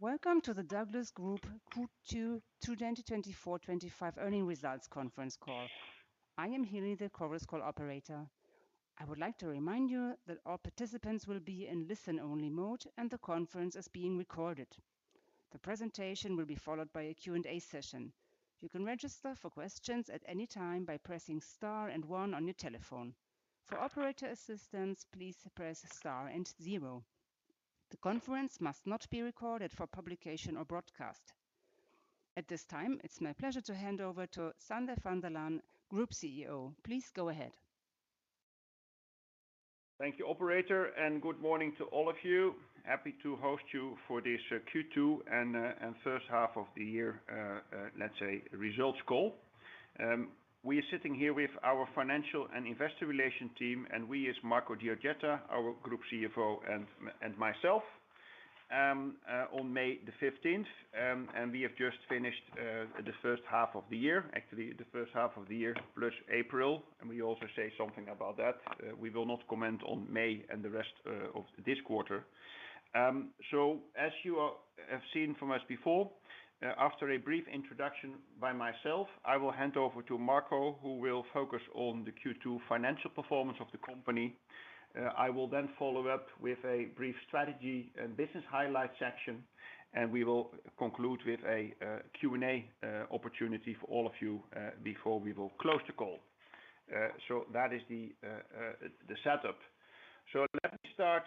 Welcome to the Douglas Group 2024-2025 earning results conference call. I am Healy, the CoverSchool operator. I would like to remind you that all participants will be in listen-only mode and the conference is being recorded. The presentation will be followed by a Q&A session. You can register for questions at any time by pressing star and one on your telephone. For operator assistance, please press star and zero. The conference must not be recorded for publication or broadcast. At this time, it's my pleasure to hand over to Sander van der Laan, Group CEO. Please go ahead. Thank you, operator, and good morning to all of you. Happy to host you for this Q2 and first half of the year, let's say, results call. We are sitting here with our financial and investor relations team, and we are Marco Giorgetta, our Group CFO, and myself on May the 15th. We have just finished the first half of the year, actually the first half of the year plus April. We also say something about that. We will not comment on May and the rest of this quarter. As you have seen from us before, after a brief introduction by myself, I will hand over to Marco, who will focus on the Q2 financial performance of the company. I will then follow up with a brief strategy and business highlight section, and we will conclude with a Q&A opportunity for all of you before we will close the call. That is the setup. Let me start,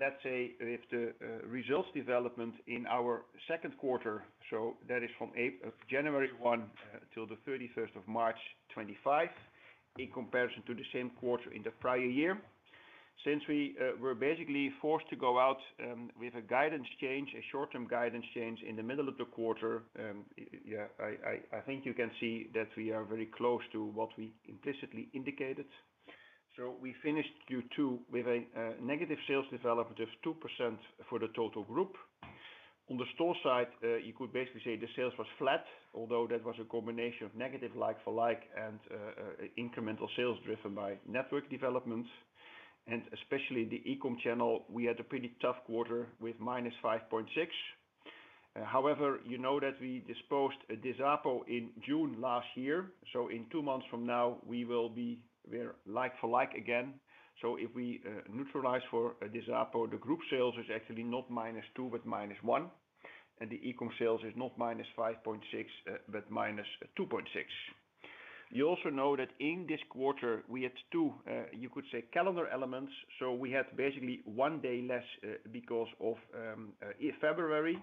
let's say, with the results development in our second quarter. That is from January 1 till the 31st of March 2025, in comparison to the same quarter in the prior year. Since we were basically forced to go out with a guidance change, a short-term guidance change in the middle of the quarter, I think you can see that we are very close to what we implicitly indicated. We finished Q2 with a negative sales development of 2% for the total group. On the store side, you could basically say the sales were flat, although that was a combination of negative like for like and incremental sales driven by network development. Especially the e-com channel, we had a pretty tough quarter with minus 5.6%. However, you know that we disposed of Disapo in June last year. In two months from now, we will be like for like again. If we neutralize for Disapo, the group sales is actually not minus 2% but minus 1%. The e-com sales is not minus 5.6% but minus 2.6%. You also know that in this quarter, we had two, you could say, calendar elements. We had basically one day less because of February,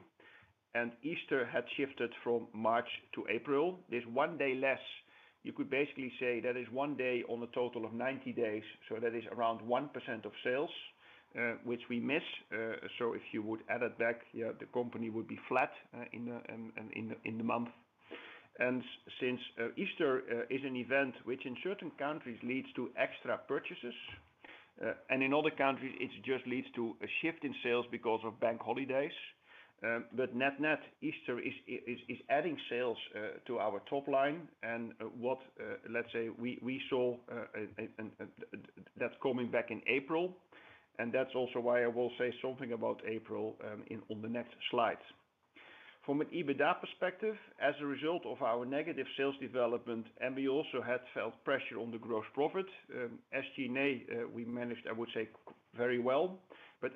and Easter had shifted from March to April. There is one day less. You could basically say that is one day on a total of 90 days. That is around 1% of sales, which we miss. If you would add it back, the company would be flat in the month. Since Easter is an event which in certain countries leads to extra purchases, and in other countries, it just leads to a shift in sales because of bank holidays. Net net, Easter is adding sales to our top line. Let's say we saw that coming back in April. That is also why I will say something about April on the next slide. From an EBITDA perspective, as a result of our negative sales development, and we also had felt pressure on the gross profit, SG&A we managed, I would say, very well.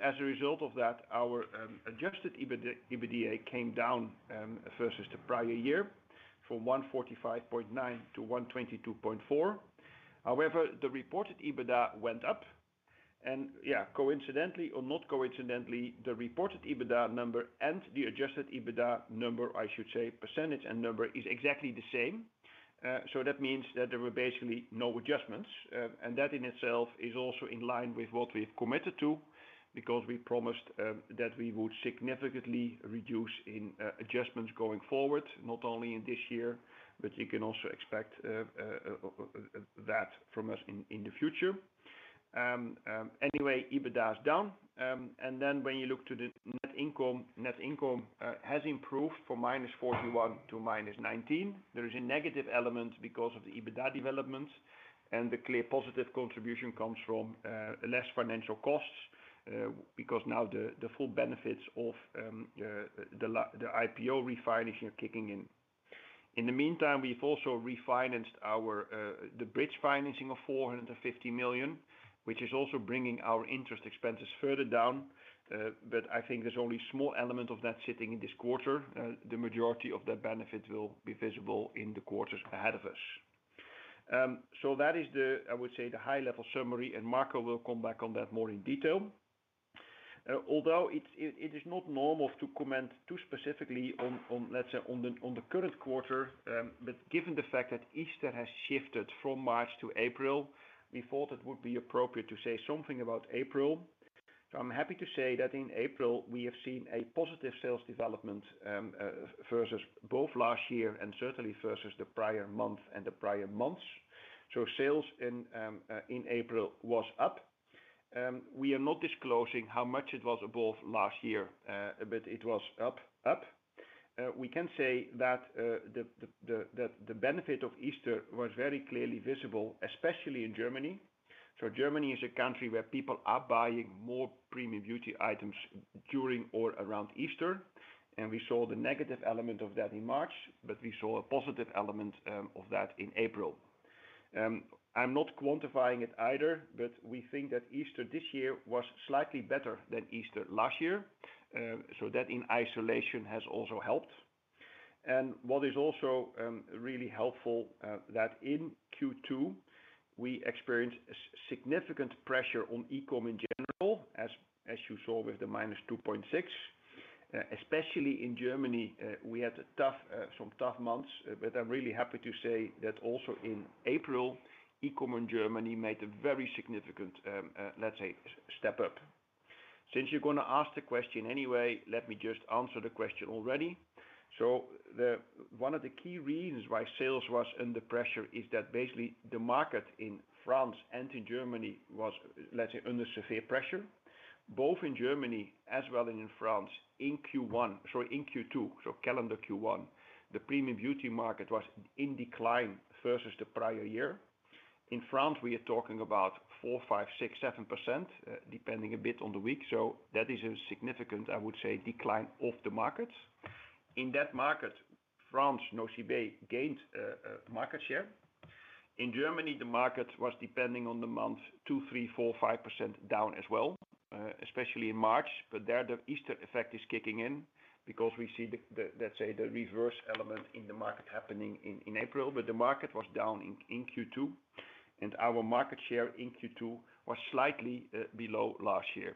As a result of that, our adjusted EBITDA came down versus the prior year from 145.9 million to 122.4 million. However, the reported EBITDA went up. Yeah, coincidentally or not coincidentally, the reported EBITDA number and the adjusted EBITDA number, I should say, percentage and number is exactly the same. That means that there were basically no adjustments. That in itself is also in line with what we have committed to because we promised that we would significantly reduce in adjustments going forward, not only in this year, but you can also expect that from us in the future. Anyway, EBITDA is down. When you look to the net income, net income has improved from minus 41 to minus 19. There is a negative element because of the EBITDA development. The clear positive contribution comes from less financial costs because now the full benefits of the IPO refinancing are kicking in. In the meantime, we've also refinanced the bridge financing of 450 million, which is also bringing our interest expenses further down. I think there's only a small element of that sitting in this quarter. The majority of that benefit will be visible in the quarters ahead of us. That is the, I would say, the high-level summary. Marco will come back on that more in detail. Although it is not normal to comment too specifically on, let's say, on the current quarter, given the fact that Easter has shifted from March to April, we thought it would be appropriate to say something about April. I'm happy to say that in April, we have seen a positive sales development versus both last year and certainly versus the prior month and the prior months. Sales in April was up. We are not disclosing how much it was above last year, but it was up. We can say that the benefit of Easter was very clearly visible, especially in Germany. Germany is a country where people are buying more premium beauty items during or around Easter. We saw the negative element of that in March, but we saw a positive element of that in April. I'm not quantifying it either, but we think that Easter this year was slightly better than Easter last year. That in isolation has also helped. What is also really helpful is that in Q2, we experienced significant pressure on e-com in general, as you saw with the minus 2.6%. Especially in Germany, we had some tough months, but I'm really happy to say that also in April, e-com in Germany made a very significant, let's say, step up. Since you're going to ask the question anyway, let me just answer the question already. One of the key reasons why sales was under pressure is that basically the market in France and in Germany was, let's say, under severe pressure. Both in Germany as well as in France, in Q1, sorry, in Q2, so calendar Q1, the premium beauty market was in decline versus the prior year. In France, we are talking about 4-5-6-7%, depending a bit on the week. That is a significant, I would say, decline of the markets. In that market, France, Nocibé gained market share. In Germany, the market was, depending on the month, 2-3-4-5% down as well, especially in March. There the Easter effect is kicking in because we see, let's say, the reverse element in the market happening in April. The market was down in Q2, and our market share in Q2 was slightly below last year.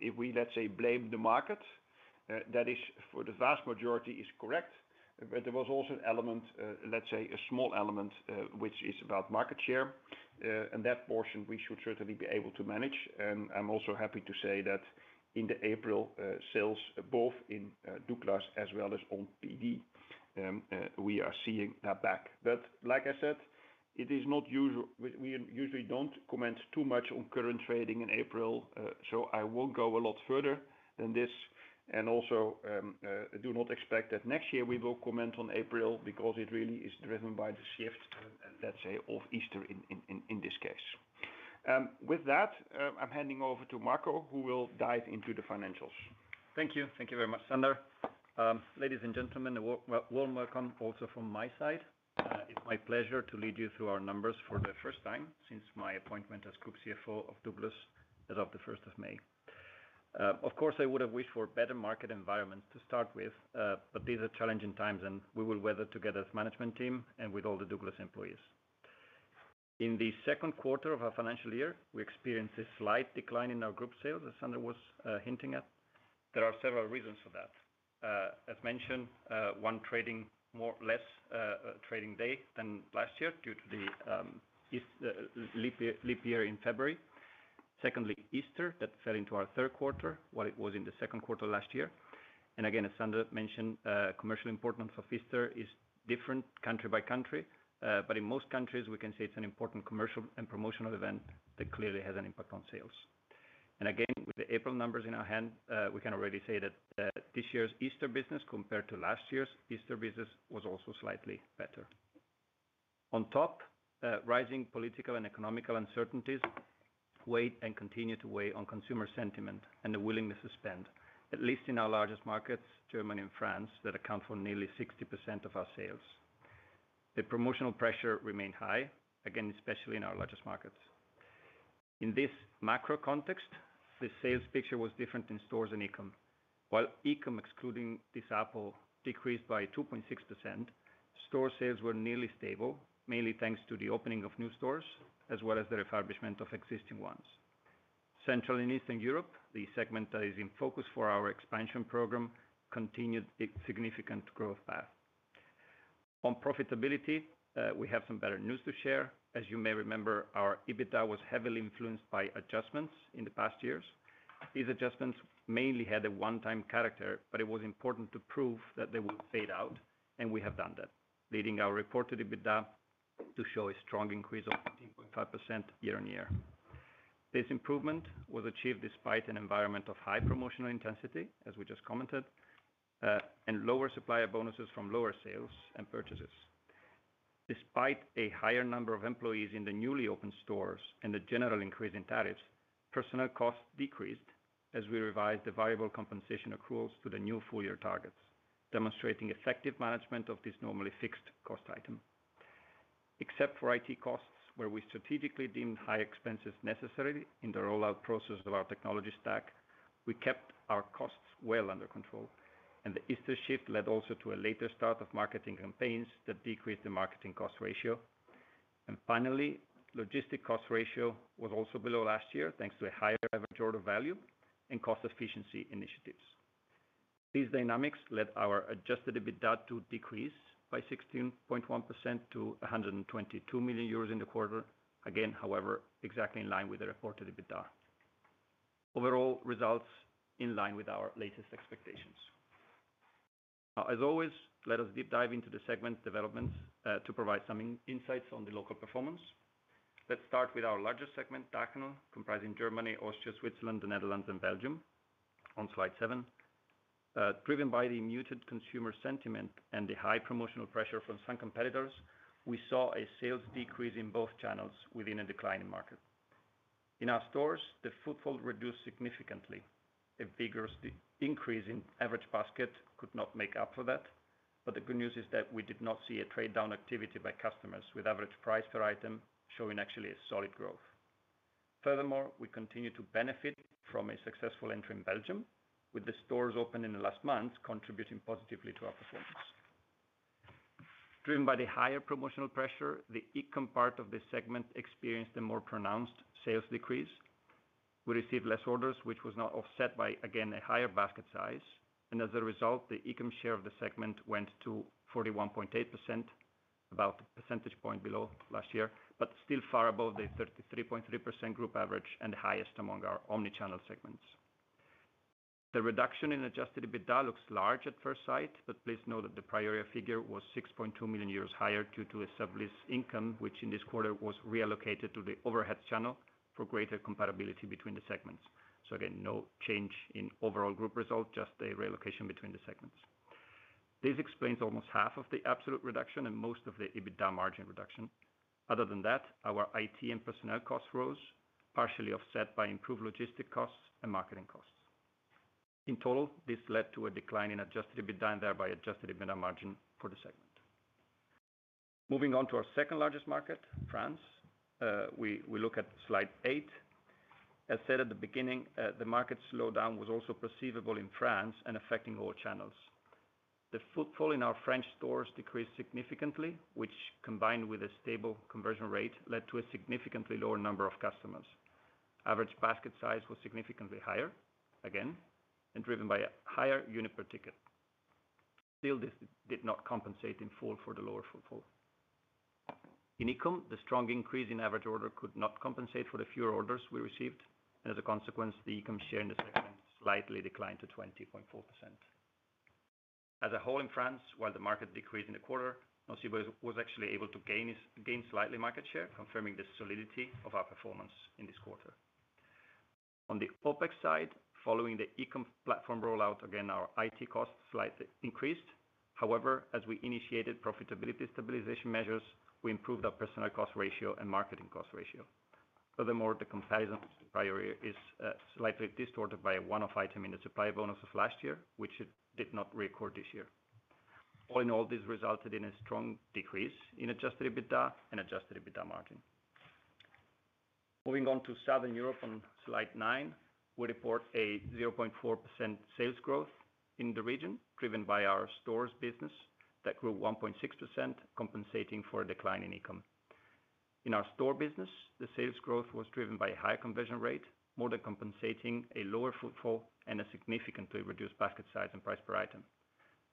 If we, let's say, blame the market, that is for the vast majority correct. There was also an element, let's say, a small element, which is about market share. That portion we should certainly be able to manage. I'm also happy to say that in the April sales, both in Douglas as well as on PD, we are seeing that back. Like I said, it is not usual; we usually do not comment too much on current trading in April. I will not go a lot further than this. Also, do not expect that next year we will comment on April because it really is driven by the shift, let's say, of Easter in this case. With that, I'm handing over to Marco, who will dive into the financials. Thank you. Thank you very much, Sander. Ladies and gentlemen, a warm welcome also from my side. It's my pleasure to lead you through our numbers for the first time since my appointment as Group CFO of Douglas as of the 1st of May. Of course, I would have wished for better market environments to start with, but these are challenging times, and we will weather together as management team and with all the Douglas employees. In the second quarter of our financial year, we experienced a slight decline in our group sales, as Sander was hinting at. There are several reasons for that. As mentioned, one trading more or less trading day than last year due to the leap year in February. Secondly, Easter that fell into our third quarter while it was in the second quarter last year. As Sander mentioned, commercial importance of Easter is different country by country, but in most countries, we can say it's an important commercial and promotional event that clearly has an impact on sales. With the April numbers in our hand, we can already say that this year's Easter business compared to last year's Easter business was also slightly better. On top, rising political and economical uncertainties weighed and continue to weigh on consumer sentiment and the willingness to spend, at least in our largest markets, Germany and France, that account for nearly 60% of our sales. The promotional pressure remained high, especially in our largest markets. In this macro context, the sales picture was different in stores and e-com. While e-com excluding Disapo, decreased by 2.6%, store sales were nearly stable, mainly thanks to the opening of new stores as well as the refurbishment of existing ones. Central and Eastern Europe, the segment that is in focus for our expansion program, continued its significant growth path. On profitability, we have some better news to share. As you may remember, our EBITDA was heavily influenced by adjustments in the past years. These adjustments mainly had a one-time character, but it was important to prove that they would fade out, and we have done that, leading our reported EBITDA to show a strong increase of 15.5% year on year. This improvement was achieved despite an environment of high promotional intensity, as we just commented, and lower supplier bonuses from lower sales and purchases. Despite a higher number of employees in the newly opened stores and the general increase in tariffs, personnel costs decreased as we revised the variable compensation accruals to the new full-year targets, demonstrating effective management of this normally fixed cost item. Except for IT costs, where we strategically deemed high expenses necessary in the rollout process of our technology stack, we kept our costs well under control. The Easter shift led also to a later start of marketing campaigns that decreased the marketing cost ratio. Finally, logistic cost ratio was also below last year thanks to a higher average order value and cost efficiency initiatives. These dynamics led our adjusted EBITDA to decrease by 16.1% to 122 million euros in the quarter. Again, however, exactly in line with the reported EBITDA. Overall results in line with our latest expectations. As always, let us deep dive into the segment developments to provide some insights on the local performance. Let's start with our largest segment, DACNO, comprising Germany, Austria, Switzerland, the Netherlands, and Belgium. On slide seven, driven by the muted consumer sentiment and the high promotional pressure from some competitors, we saw a sales decrease in both channels within a declining market. In our stores, the footfall reduced significantly. A vigorous increase in average basket could not make up for that. The good news is that we did not see a trade-down activity by customers, with average price per item showing actually a solid growth. Furthermore, we continue to benefit from a successful entry in Belgium, with the stores opening in the last months contributing positively to our performance. Driven by the higher promotional pressure, the e-com part of the segment experienced a more pronounced sales decrease. We received less orders, which was not offset by, again, a higher basket size. As a result, the e-com share of the segment went to 41.8%, about a percentage point below last year, but still far above the 33.3% group average and the highest among our omnichannel segments. The reduction in adjusted EBITDA looks large at first sight, but please note that the prior year figure was 6.2 million euros higher due to a surplus income, which in this quarter was reallocated to the overhead channel for greater compatibility between the segments. Again, no change in overall group result, just a reallocation between the segments. This explains almost half of the absolute reduction and most of the EBITDA margin reduction. Other than that, our IT and personnel costs rose, partially offset by improved logistic costs and marketing costs. In total, this led to a decline in adjusted EBITDA and thereby adjusted EBITDA margin for the segment. Moving on to our second largest market, France, we look at slide eight. As said at the beginning, the market slowdown was also perceivable in France and affecting all channels. The footfall in our French stores decreased significantly, which combined with a stable conversion rate led to a significantly lower number of customers. Average basket size was significantly higher, again, and driven by a higher unit per ticket. Still, this did not compensate in full for the lower footfall. In e-com, the strong increase in average order could not compensate for the fewer orders we received. As a consequence, the e-com share in the segment slightly declined to 20.4%. As a whole in France, while the market decreased in the quarter, Nocibé was actually able to gain slightly market share, confirming the solidity of our performance in this quarter. On the OPEX side, following the e-com platform rollout, again, our IT costs slightly increased. However, as we initiated profitability stabilization measures, we improved our personnel cost ratio and marketing cost ratio. Furthermore, the comparison prior year is slightly distorted by a one-off item in the supplier bonuses last year, which did not record this year. All in all, this resulted in a strong decrease in adjusted EBITDA and adjusted EBITDA margin. Moving on to Southern Europe on slide nine, we report a 0.4% sales growth in the region driven by our stores business that grew 1.6%, compensating for a decline in e-com. In our store business, the sales growth was driven by a higher conversion rate, more than compensating a lower footfall and a significantly reduced basket size and price per item.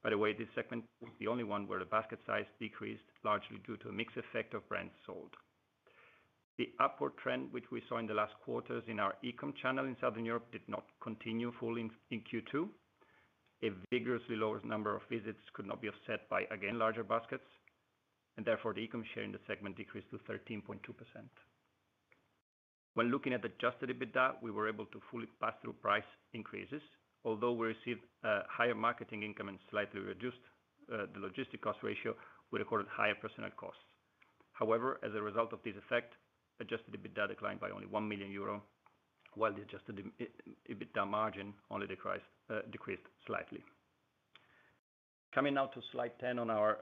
By the way, this segment was the only one where the basket size decreased largely due to a mixed effect of brands sold. The upward trend, which we saw in the last quarters in our e-com channel in Southern Europe, did not continue fully in Q2. A vigorously lower number of visits could not be offset by, again, larger baskets. Therefore, the e-com share in the segment decreased to 13.2%. When looking at adjusted EBITDA, we were able to fully pass through price increases. Although we received higher marketing income and slightly reduced the logistic cost ratio, we recorded higher personnel costs. However, as a result of this effect, adjusted EBITDA declined by only 1 million euro, while the adjusted EBITDA margin only decreased slightly. Coming now to slide 10 on our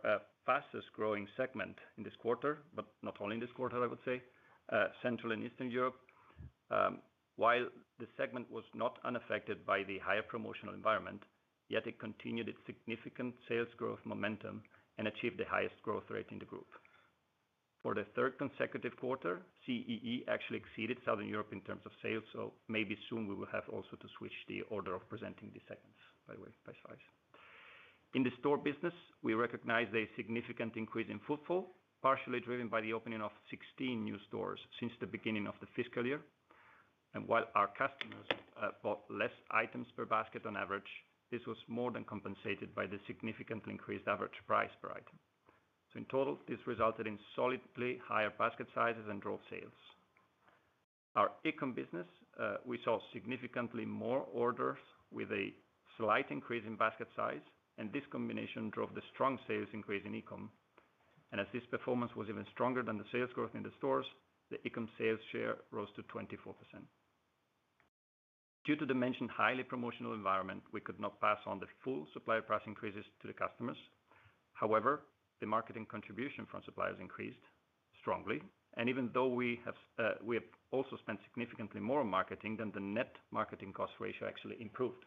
fastest growing segment in this quarter, but not only in this quarter, I would say, Central and Eastern Europe. While the segment was not unaffected by the higher promotional environment, yet it continued its significant sales growth momentum and achieved the highest growth rate in the group. For the third consecutive quarter, CEE actually exceeded Southern Europe in terms of sales. Maybe soon we will have also to switch the order of presenting the segments, by the way, by size. In the store business, we recognize a significant increase in footfall, partially driven by the opening of 16 new stores since the beginning of the fiscal year. While our customers bought fewer items per basket on average, this was more than compensated by the significantly increased average price per item. In total, this resulted in solidly higher basket sizes and drove sales. In our e-com business, we saw significantly more orders with a slight increase in basket size. This combination drove the strong sales increase in e-com. As this performance was even stronger than the sales growth in the stores, the e-com sales share rose to 24%. Due to the mentioned highly promotional environment, we could not pass on the full supplier price increases to the customers. However, the marketing contribution from suppliers increased strongly. Even though we have also spent significantly more on marketing, the net marketing cost ratio actually improved.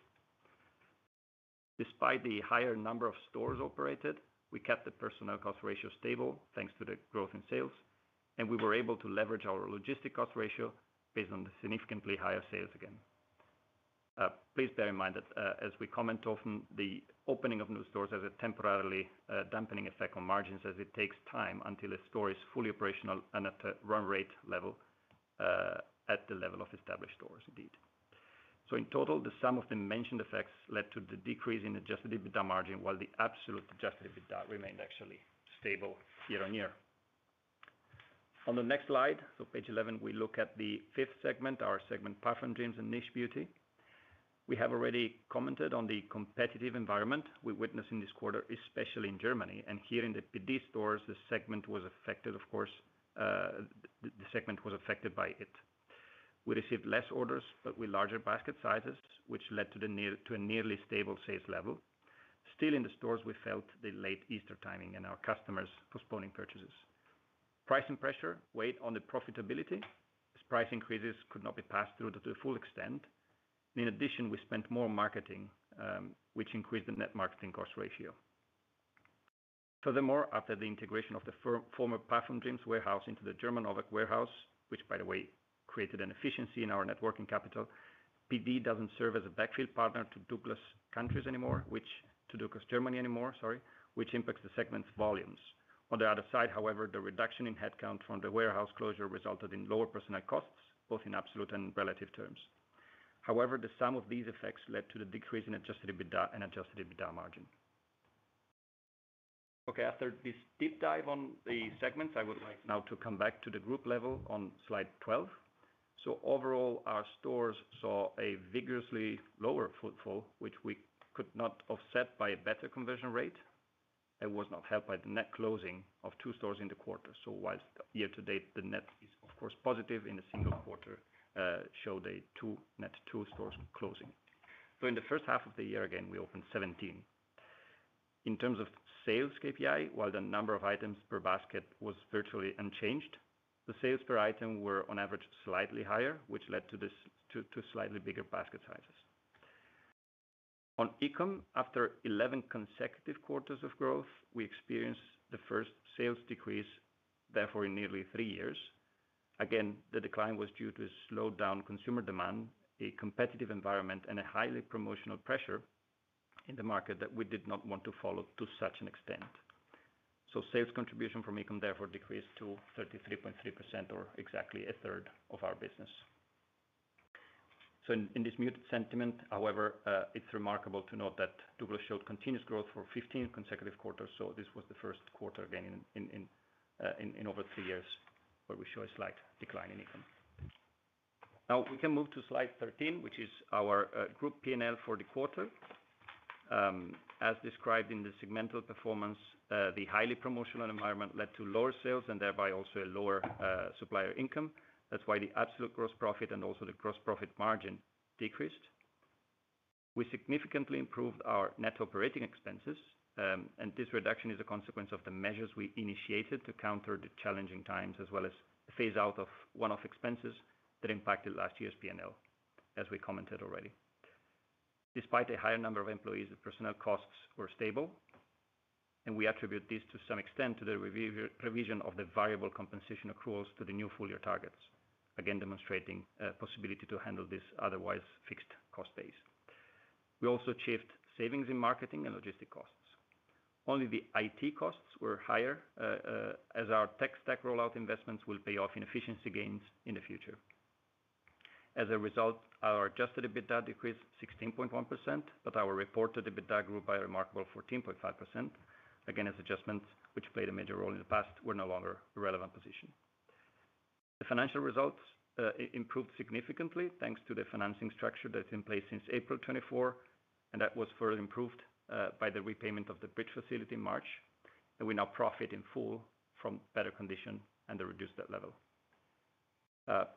Despite the higher number of stores operated, we kept the personnel cost ratio stable thanks to the growth in sales. We were able to leverage our logistic cost ratio based on the significantly higher sales again. Please bear in mind that, as we comment often, the opening of new stores has a temporarily dampening effect on margins as it takes time until a store is fully operational and at a run rate level at the level of established stores indeed. In total, the sum of the mentioned effects led to the decrease in adjusted EBITDA margin, while the absolute adjusted EBITDA remained actually stable year on year. On the next slide, page 11, we look at the fifth segment, our segment, Parfumdreams and Niche Beauty. We have already commented on the competitive environment we witnessed in this quarter, especially in Germany. Here in the PD stores, the segment was affected, of course, the segment was affected by it. We received fewer orders, but with larger basket sizes, which led to a nearly stable sales level. Still, in the stores, we felt the late Easter timing and our customers postponing purchases. Price and pressure weighed on the profitability, as price increases could not be passed through to the full extent. In addition, we spent more on marketing, which increased the net marketing cost ratio. Furthermore, after the integration of the former Parfumdreams warehouse into the German OWAC warehouse, which, by the way, created an efficiency in our net working capital, Parfumdreams does not serve as a backfield partner to Douglas countries anymore, to Douglas Germany anymore, sorry, which impacts the segment's volumes. On the other side, however, the reduction in headcount from the warehouse closure resulted in lower personnel costs, both in absolute and relative terms. However, the sum of these effects led to the decrease in adjusted EBITDA and adjusted EBITDA margin. Okay, after this deep dive on the segments, I would like now to come back to the group level on slide 12. Overall, our stores saw a vigorously lower footfall, which we could not offset by a better conversion rate. It was not helped by the net closing of two stores in the quarter. While year to date, the net is, of course, positive, in a single quarter, it showed a net two stores closing. In the first half of the year, again, we opened 17. In terms of sales KPI, while the number of items per basket was virtually unchanged, the sales per item were on average slightly higher, which led to slightly bigger basket sizes. On e-com, after 11 consecutive quarters of growth, we experienced the first sales decrease, therefore in nearly three years. Again, the decline was due to slowed down consumer demand, a competitive environment, and a highly promotional pressure in the market that we did not want to follow to such an extent. Sales contribution from e-com therefore decreased to 33.3% or exactly a third of our business. In this muted sentiment, however, it is remarkable to note that Douglas showed continuous growth for 15 consecutive quarters. This was the first quarter, again, in over three years where we show a slight decline in e-com. Now we can move to slide 13, which is our group P&L for the quarter. As described in the segmental performance, the highly promotional environment led to lower sales and thereby also a lower supplier income. That's why the absolute gross profit and also the gross profit margin decreased. We significantly improved our net operating expenses. This reduction is a consequence of the measures we initiated to counter the challenging times as well as the phase-out of one-off expenses that impacted last year's P&L, as we commented already. Despite a higher number of employees, the personnel costs were stable. We attribute this to some extent to the revision of the variable compensation accruals to the new full-year targets, again demonstrating a possibility to handle this otherwise fixed cost base. We also achieved savings in marketing and logistic costs. Only the IT costs were higher as our tech stack rollout investments will pay off in efficiency gains in the future. As a result, our adjusted EBITDA decreased 16.1%, but our reported EBITDA grew by a remarkable 14.5%. Again, as adjustments, which played a major role in the past, were no longer a relevant position. The financial results improved significantly thanks to the financing structure that's in place since April 2024. That was further improved by the repayment of the bridge facility in March. We now profit in full from better condition and the reduced debt level.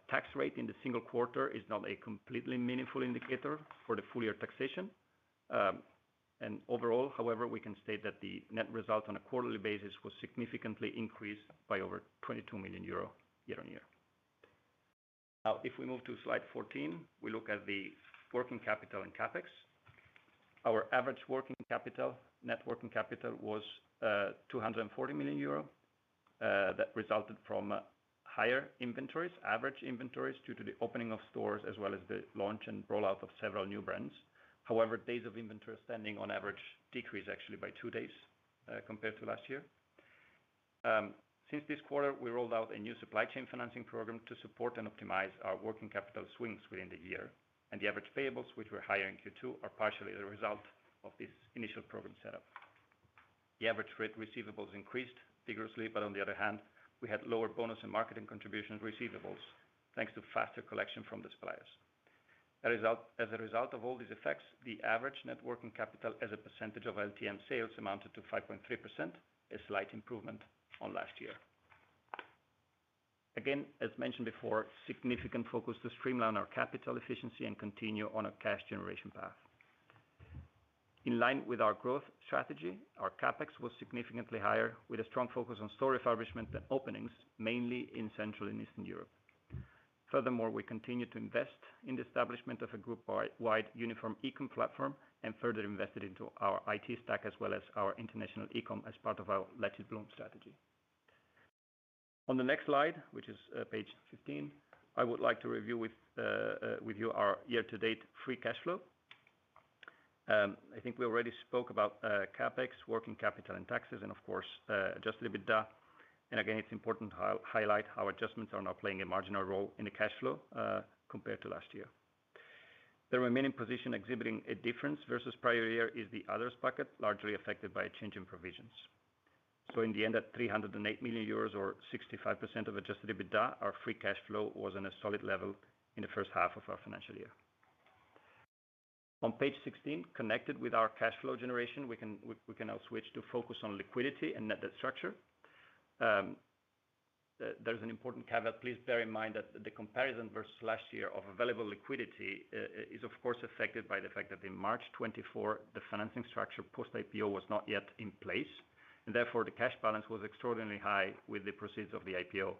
Tax rate in the single quarter is not a completely meaningful indicator for the full-year taxation. Overall, however, we can state that the net result on a quarterly basis was significantly increased by over 22 million euro year on year. Now, if we move to slide 14, we look at the working capital and CapEx. Our average working capital, net working capital, was 240 million euro. That resulted from higher inventories, average inventories due to the opening of stores as well as the launch and rollout of several new brands. However, days of inventory standing on average decreased actually by two days compared to last year. Since this quarter, we rolled out a new supply chain financing program to support and optimize our working capital swings within the year. The average payables, which were higher in Q2, are partially the result of this initial program setup. The average rate receivables increased vigorously, but on the other hand, we had lower bonus and marketing contribution receivables thanks to faster collection from the suppliers. As a result of all these effects, the average net working capital as a percentage of LTM sales amounted to 5.3%, a slight improvement on last year. Again, as mentioned before, significant focus to streamline our capital efficiency and continue on a cash generation path. In line with our growth strategy, our CapEx was significantly higher with a strong focus on store establishment and openings, mainly in Central and Eastern Europe. Furthermore, we continue to invest in the establishment of a group-wide uniform e-com platform and further invested into our IT stack as well as our international e-com as part of our Let It Bloom strategy. On the next slide, which is page 15, I would like to review with you our year-to-date free cash flow. I think we already spoke about CapEx, working capital, and taxes, and of course, adjusted EBITDA. Again, it is important to highlight how adjustments are now playing a marginal role in the cash flow compared to last year. The remaining position exhibiting a difference versus prior year is the others bucket, largely affected by a change in provisions. In the end, at 308 million euros or 65% of adjusted EBITDA, our free cash flow was on a solid level in the first half of our financial year. On page 16, connected with our cash flow generation, we can now switch to focus on liquidity and net debt structure. There is an important caveat. Please bear in mind that the comparison versus last year of available liquidity is, of course, affected by the fact that in March 2024, the financing structure post-IPO was not yet in place. Therefore, the cash balance was extraordinarily high with the proceeds of the IPO.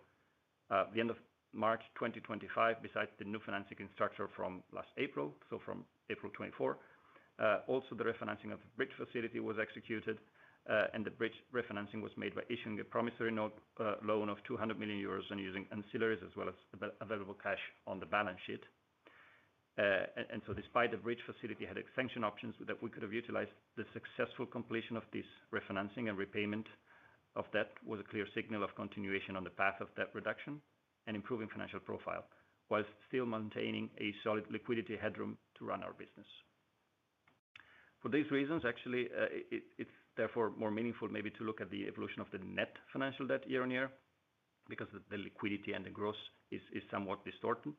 At the end of March 2025, besides the new financing structure from last April, so from April 2024, also the refinancing of the bridge facility was executed. The bridge refinancing was made by issuing a promissory note loan of 200 million euros and using ancillaries as well as available cash on the balance sheet. Despite the bridge facility having extension options that we could have utilized, the successful completion of this refinancing and repayment of debt was a clear signal of continuation on the path of debt reduction and improving financial profile while still maintaining a solid liquidity headroom to run our business. For these reasons, actually, it is therefore more meaningful maybe to look at the evolution of the net financial debt year on year because the liquidity and the growth is somewhat distorted.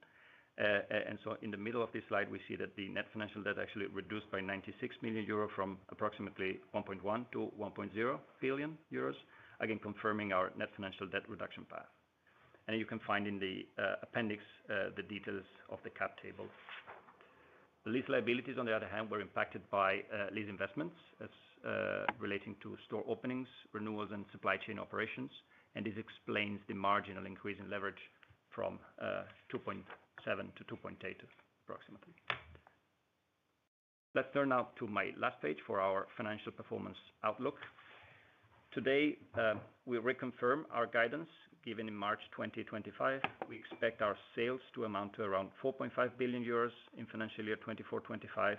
In the middle of this slide, we see that the net financial debt actually reduced by 96 million euro from approximately 1.1 billion to 1.0 billion euros, again confirming our net financial debt reduction path. You can find in the appendix the details of the cap table. The lease liabilities, on the other hand, were impacted by lease investments relating to store openings, renewals, and supply chain operations. This explains the marginal increase in leverage from 2.7 to 2.8 approximately. Let's turn now to my last page for our financial performance outlook. Today, we reconfirm our guidance given in March 2025. We expect our sales to amount to around 4.5 billion euros in financial year 2024-2025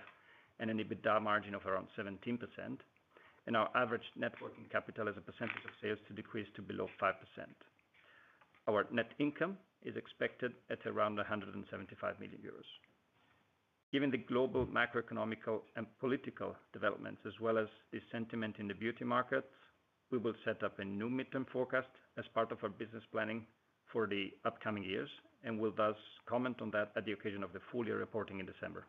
and an EBITDA margin of around 17%. Our average net working capital as a percentage of sales is expected to decrease to below 5%. Our net income is expected at around 175 million euros. Given the global macroeconomical and political developments as well as the sentiment in the beauty markets, we will set up a new midterm forecast as part of our business planning for the upcoming years and will thus comment on that at the occasion of the full-year reporting in December.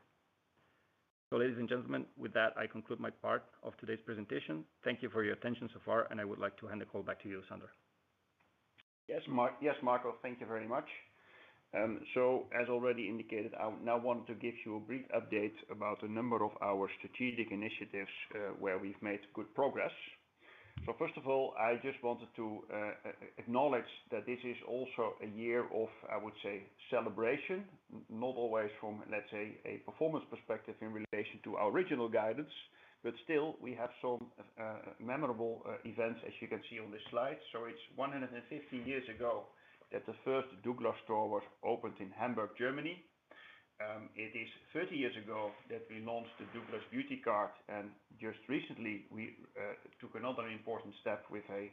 Ladies and gentlemen, with that, I conclude my part of today's presentation. Thank you for your attention so far. I would like to hand the call back to you, Sander. Yes, Marco, thank you very much. As already indicated, I now want to give you a brief update about a number of our strategic initiatives where we've made good progress. First of all, I just wanted to acknowledge that this is also a year of, I would say, celebration, not always from, let's say, a performance perspective in relation to our original guidance, but still, we have some memorable events, as you can see on this slide. It is 150 years ago that the first Douglas store was opened in Hamburg, Germany. It is 30 years ago that we launched the Douglas Beauty Card. And just recently, we took another important step with a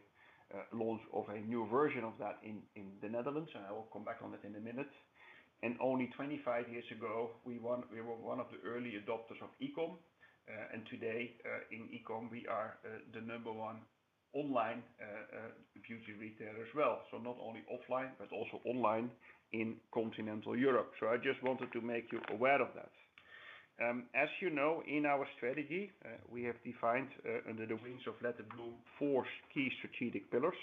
launch of a new version of that in the Netherlands. I will come back on that in a minute. Only 25 years ago, we were one of the early adopters of e-com. Today, in e-com, we are the number one online beauty retailer as well. Not only offline, but also online in continental Europe. I just wanted to make you aware of that. As you know, in our strategy, we have defined under the wings of Let It Bloom four key strategic pillars.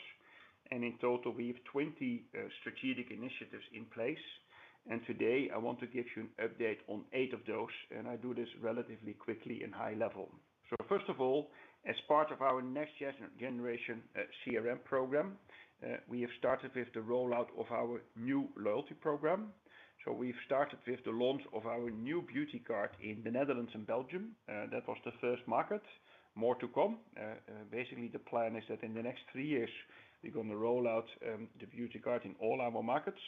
In total, we have 20 strategic initiatives in place. Today, I want to give you an update on eight of those. I do this relatively quickly and high level. First of all, as part of our next generation CRM program, we have started with the rollout of our new loyalty program. We have started with the launch of our new Beauty Card in the Netherlands and Belgium. That was the first market. More to come. Basically, the plan is that in the next three years, we are going to rollout the Beauty Card in all our markets.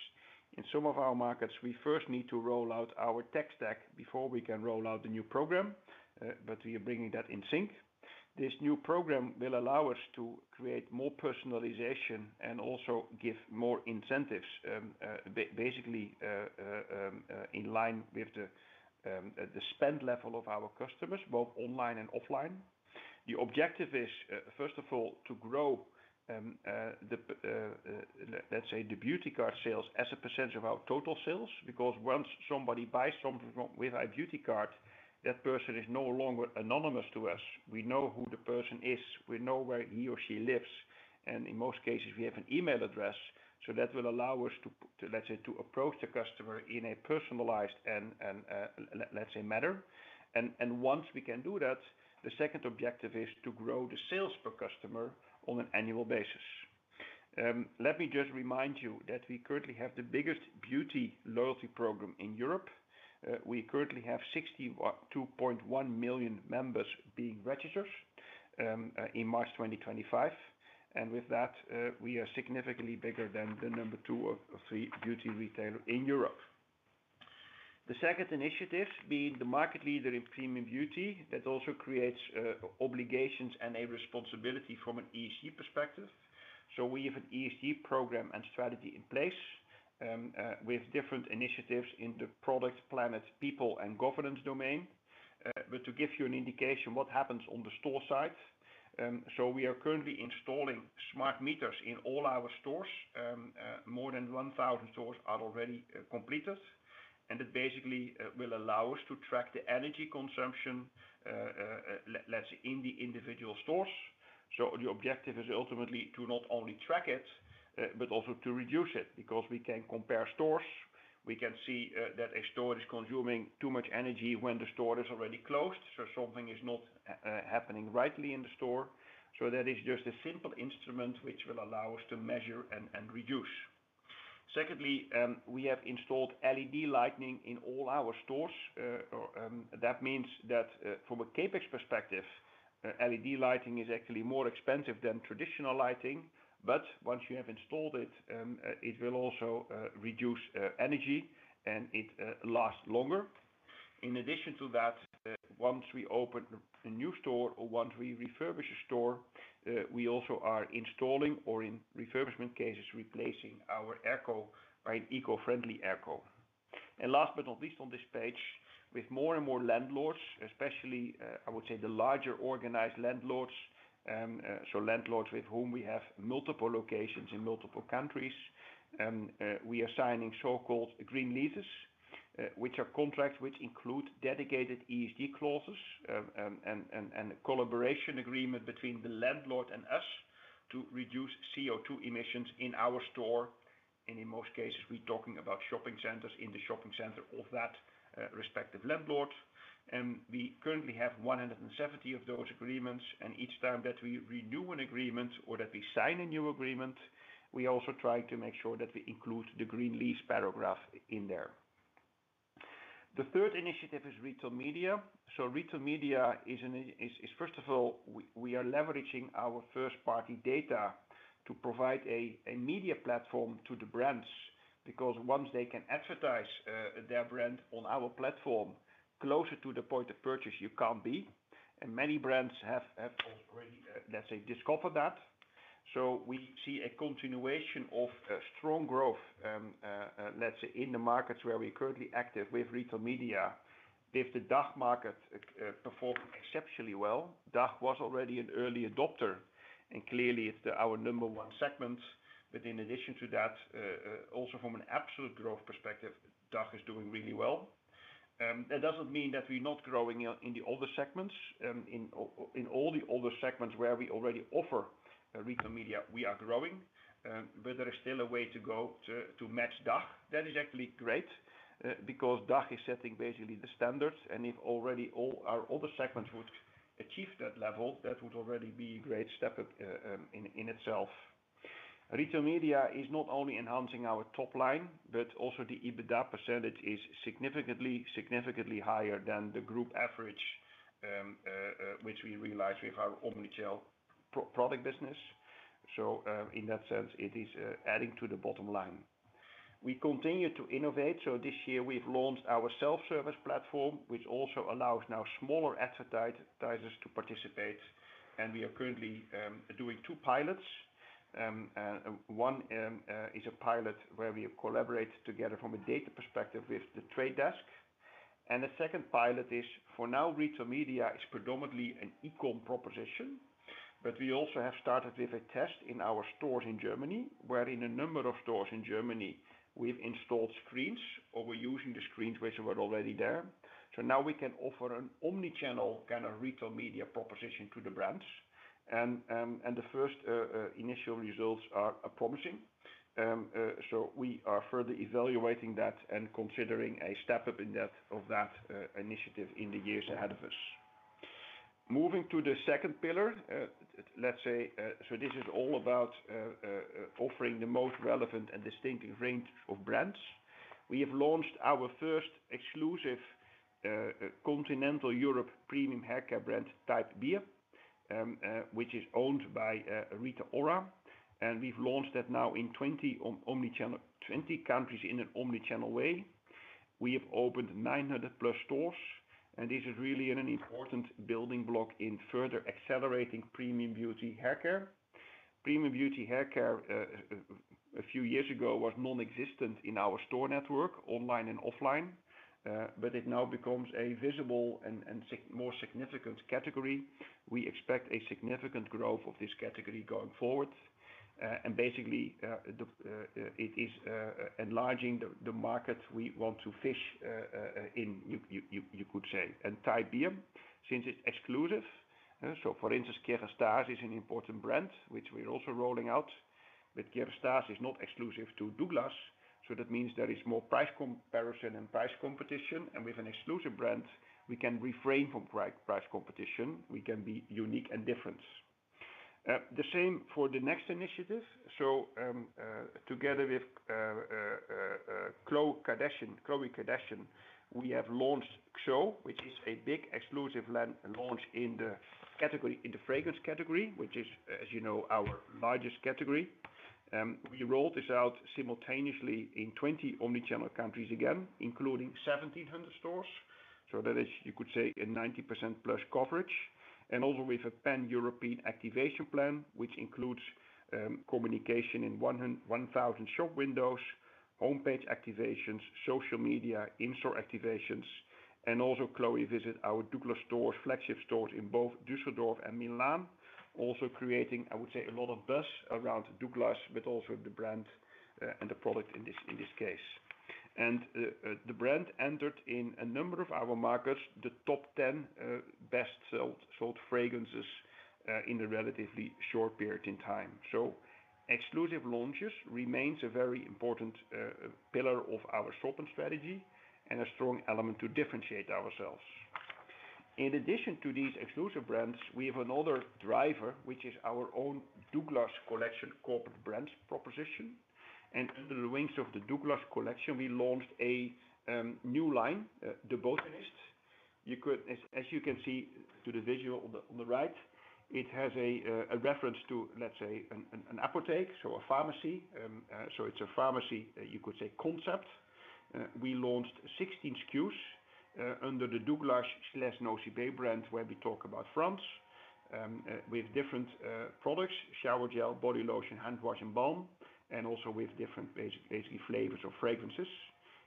In some of our markets, we first need to rollout our tech stack before we can rollout the new program. We are bringing that in sync. This new program will allow us to create more personalization and also give more incentives, basically in line with the spend level of our customers, both online and offline. The objective is, first of all, to grow the, let's say, the Beauty Card sales as a percentage of our total sales. Because once somebody buys something with our Beauty Card, that person is no longer anonymous to us. We know who the person is. We know where he or she lives. And in most cases, we have an email address. That will allow us to, let's say, approach the customer in a personalized and, let's say, manner. Once we can do that, the second objective is to grow the sales per customer on an annual basis. Let me just remind you that we currently have the biggest beauty loyalty program in Europe. We currently have 62.1 million members being registered in March 2025. With that, we are significantly bigger than the number two or three beauty retailer in Europe. The second initiative, being the market leader in premium beauty, also creates obligations and a responsibility from an ESG perspective. We have an ESG program and strategy in place with different initiatives in the product, planet, people, and governance domain. To give you an indication of what happens on the store side, we are currently installing smart meters in all our stores. More than 1,000 stores are already completed. It basically will allow us to track the energy consumption, let's say, in the individual stores. The objective is ultimately to not only track it, but also to reduce it. Because we can compare stores. We can see that a store is consuming too much energy when the store is already closed. So something is not happening rightly in the store. That is just a simple instrument which will allow us to measure and reduce. Secondly, we have installed LED lighting in all our stores. That means that from a CapEx perspective, LED lighting is actually more expensive than traditional lighting. Once you have installed it, it will also reduce energy and it lasts longer. In addition to that, once we open a new store or once we refurbish a store, we also are installing or, in refurbishment cases, replacing our airco by an eco-friendly airco. Last but not least on this page, with more and more landlords, especially, I would say, the larger organized landlords, so landlords with whom we have multiple locations in multiple countries, we are signing so-called green leases, which are contracts that include dedicated ESG clauses and a collaboration agreement between the landlord and us to reduce CO2 emissions in our store. In most cases, we are talking about shopping centers in the shopping center of that respective landlord. We currently have 170 of those agreements. Each time that we renew an agreement or that we sign a new agreement, we also try to make sure that we include the green lease paragraph in there. The third initiative is retail media. Retail media is, first of all, we are leveraging our first-party data to provide a media platform to the brands. Because once they can advertise their brand on our platform, closer to the point of purchase you can't be. Many brands have already, let's say, discovered that. We see a continuation of strong growth, let's say, in the markets where we're currently active with retail media. If the DACH market performed exceptionally well, DACH was already an early adopter. Clearly, it's our number one segment. In addition to that, also from an absolute growth perspective, DACH is doing really well. That does not mean that we're not growing in the other segments. In all the other segments where we already offer retail media, we are growing. There is still a way to go to match DACH. That is actually great because DACH is setting basically the standards. If already all our other segments would achieve that level, that would already be a great step in itself. Retail media is not only enhancing our top line, but also the EBITDA percentage is significantly higher than the group average, which we realize with our omnichannel product business. In that sense, it is adding to the bottom line. We continue to innovate. This year, we have launched our self-service platform, which also allows now smaller advertisers to participate. We are currently doing two pilots. One is a pilot where we collaborate together from a data perspective with The Trade Desk. The second pilot is, for now, retail media is predominantly an e-com proposition. We also have started with a test in our stores in Germany, where in a number of stores in Germany, we have installed screens or we are using the screens which were already there. Now we can offer an omnichannel kind of retail media proposition to the brands. The first initial results are promising. We are further evaluating that and considering a step up of that initiative in the years ahead of us. Moving to the second pillar, let's say, this is all about offering the most relevant and distinct range of brands. We have launched our first exclusive continental Europe premium haircare brand Type Beer, which is owned by Rita Ora. We have launched that now in 20 countries in an omnichannel way. We have opened 900-plus stores. This is really an important building block in further accelerating premium beauty haircare. Premium beauty haircare, a few years ago, was non-existent in our store network, online and offline. It now becomes a visible and more significant category. We expect a significant growth of this category going forward. Basically, it is enlarging the market we want to fish in, you could say. Type Beer, since it is exclusive. For instance, Kérastase is an important brand, which we are also rolling out. Kérastase is not exclusive to Douglas. That means there is more price comparison and price competition. With an exclusive brand, we can refrain from price competition. We can be unique and different. The same for the next initiative. Together with Chloe Kardashian, we have launched Xo, which is a big exclusive launch in the fragrance category, which is, as you know, our largest category. We rolled this out simultaneously in 20 omnichannel countries again, including 1,700 stores. That is, you could say, a 90%+ coverage. Also with a pan-European activation plan, which includes communication in 1,000 shop windows, homepage activations, social media, in-store activations. Chloe also visits our Douglas stores, flagship stores in both Düsseldorf and Milan. This is also creating, I would say, a lot of buzz around Douglas, but also the brand and the product in this case. The brand entered in a number of our markets, the top 10 best-sold fragrances in a relatively short period of time. Exclusive launches remain a very important pillar of our shopping strategy and a strong element to differentiate ourselves. In addition to these exclusive brands, we have another driver, which is our own Douglas Collection corporate brands proposition. Under the wings of the Douglas Collection, we launched a new line, the Botanist. As you can see to the visual on the right, it has a reference to, let's say, an apotheque, so a pharmacy. It is a pharmacy, you could say, concept. We launched 16 SKUs under the Douglas/Nosy Bay brand, where we talk about France with different products: shower gel, body lotion, hand wash, and balm. Also with different, basically, flavors or fragrances.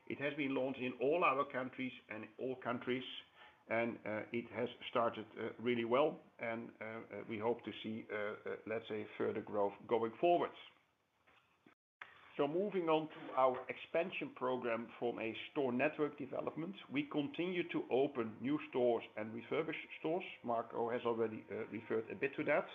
It has been launched in all our countries and all countries. It has started really well. We hope to see, let's say, further growth going forward. Moving on to our expansion program from a store network development, we continue to open new stores and refurbished stores. Marco has already referred a bit to that.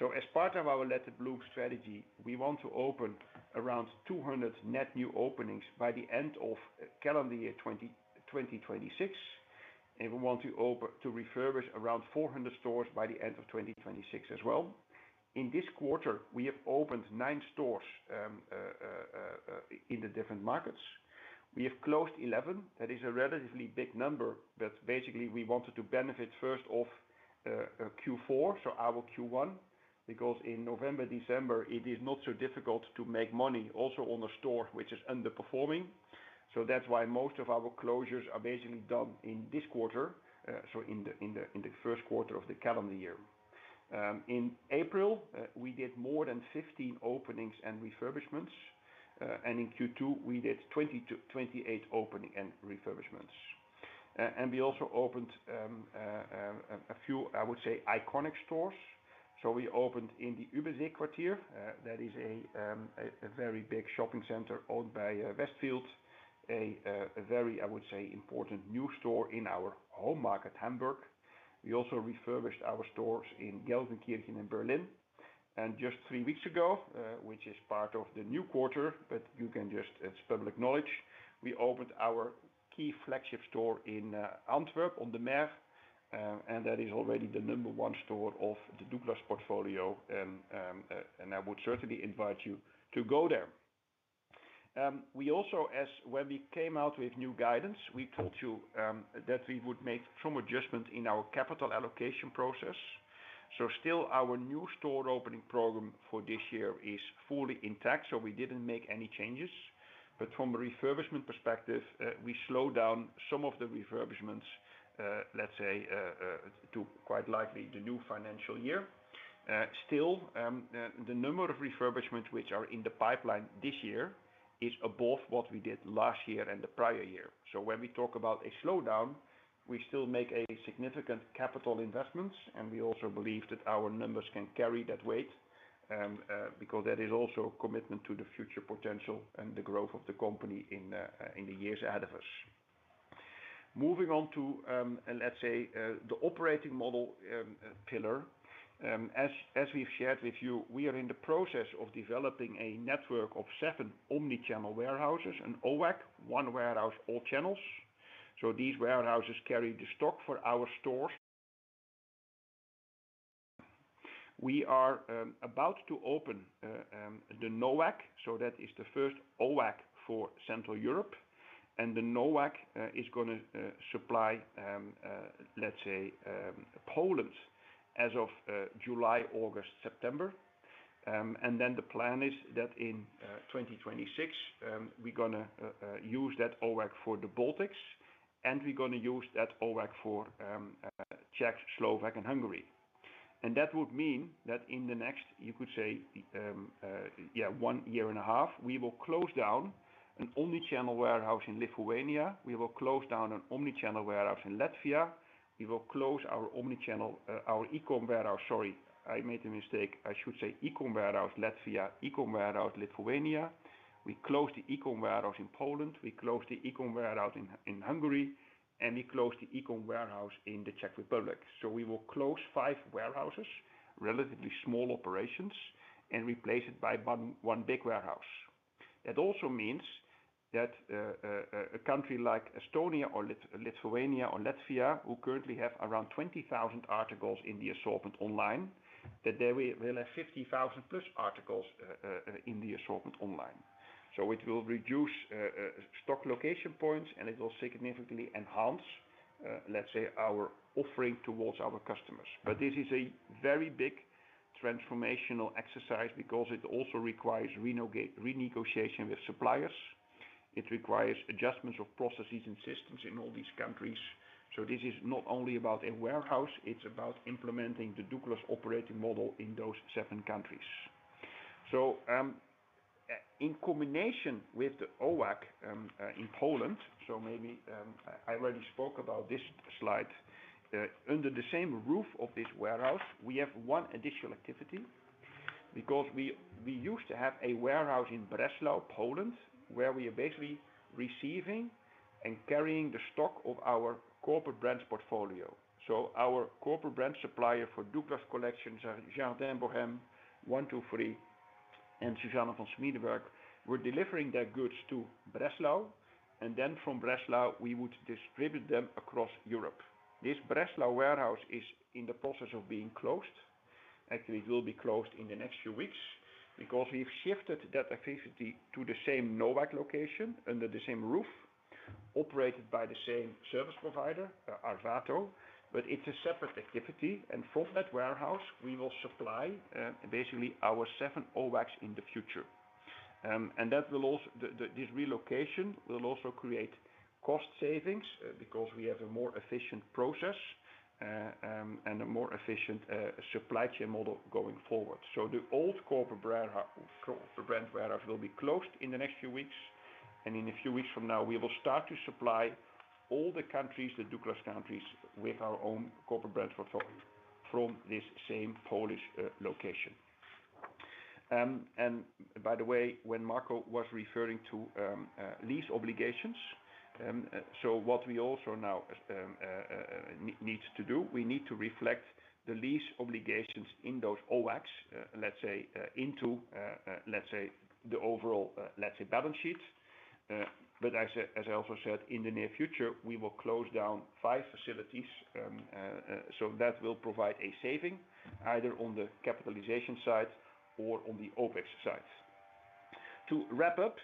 As part of our Let It Bloom strategy, we want to open around 200 net new openings by the end of calendar year 2026. We want to refurbish around 400 stores by the end of 2026 as well. In this quarter, we have opened nine stores in the different markets. We have closed 11. That is a relatively big number. Basically, we wanted to benefit first of Q4, so our Q1. Because in November, December, it is not so difficult to make money also on a store which is underperforming. That is why most of our closures are basically done in this quarter, in the first quarter of the calendar year. In April, we did more than 15 openings and refurbishments. In Q2, we did 28 openings and refurbishments. We also opened a few, I would say, iconic stores. We opened in the UBC Quartier. That is a very big shopping center owned by Westfield, a very, I would say, important new store in our home market, Hamburg. We also refurbished our stores in Gelsenkirchen and Berlin. Just three weeks ago, which is part of the new quarter, but you can just, it's public knowledge, we opened our key flagship store in Antwerp, on the Meer. That is already the number one store of the Douglas portfolio. I would certainly invite you to go there. We also, when we came out with new guidance, told you that we would make some adjustments in our capital allocation process. Still, our new store opening program for this year is fully intact. We did not make any changes. From a refurbishment perspective, we slowed down some of the refurbishments, let's say, to quite likely the new financial year. Still, the number of refurbishments which are in the pipeline this year is above what we did last year and the prior year. When we talk about a slowdown, we still make a significant capital investment. We also believe that our numbers can carry that weight. That is also a commitment to the future potential and the growth of the company in the years ahead of us. Moving on to, let's say, the operating model pillar. As we've shared with you, we are in the process of developing a network of seven omnichannel warehouses, an OWAC, one warehouse all channels. These warehouses carry the stock for our stores. We are about to open the NOAC. That is the first OWAC for Central Europe. The NOAC is going to supply, let's say, Poland as of July, August, September. The plan is that in 2026, we're going to use that OWAC for the Baltics. We're going to use that OWAC for Czech, Slovak, and Hungary. That would mean that in the next, you could say, yeah, one year and a half, we will close down an omnichannel warehouse in Lithuania. We will close down an omnichannel warehouse in Latvia. We will close our omnichannel, our e-com warehouse. Sorry, I made a mistake. I should say e-com warehouse Latvia, e-com warehouse Lithuania. We closed the e-com warehouse in Poland. We closed the e-com warehouse in Hungary. And we closed the e-com warehouse in the Czech Republic. We will close five warehouses, relatively small operations, and replace it by one big warehouse. That also means that a country like Estonia or Lithuania or Latvia, who currently have around 20,000 articles in the assortment online, that they will have 50,000 plus articles in the assortment online. It will reduce stock location points. It will significantly enhance, let's say, our offering towards our customers. This is a very big transformational exercise because it also requires renegotiation with suppliers. It requires adjustments of processes and systems in all these countries. This is not only about a warehouse. It is about implementing the Douglas operating model in those seven countries. In combination with the OWAC in Poland, maybe I already spoke about this slide, under the same roof of this warehouse, we have one additional activity. We used to have a warehouse in Breslau, Poland, where we are basically receiving and carrying the stock of our corporate brands portfolio. Our corporate brand supplier for Douglas Collection, Jardin, Bohème, One Two Three, and Suzanne of Schmiedeberg, were delivering their goods to Breslau. From Breslau, we would distribute them across Europe. This Breslau warehouse is in the process of being closed. Actually, it will be closed in the next few weeks. Because we've shifted that activity to the same OWAC location under the same roof, operated by the same service provider, Arvato. It is a separate activity. From that warehouse, we will supply basically our seven OWACs in the future. This relocation will also create cost savings because we have a more efficient process and a more efficient supply chain model going forward. The old corporate brand warehouse will be closed in the next few weeks. In a few weeks from now, we will start to supply all the countries, the Douglas countries, with our own corporate brand portfolio from this same Polish location. By the way, when Marco was referring to lease obligations, what we also now need to do, we need to reflect the lease obligations in those OWACs, let's say, into the overall, let's say, balance sheet. As I also said, in the near future, we will close down five facilities. That will provide a saving either on the capitalization side or on the OPEX side. To wrap up,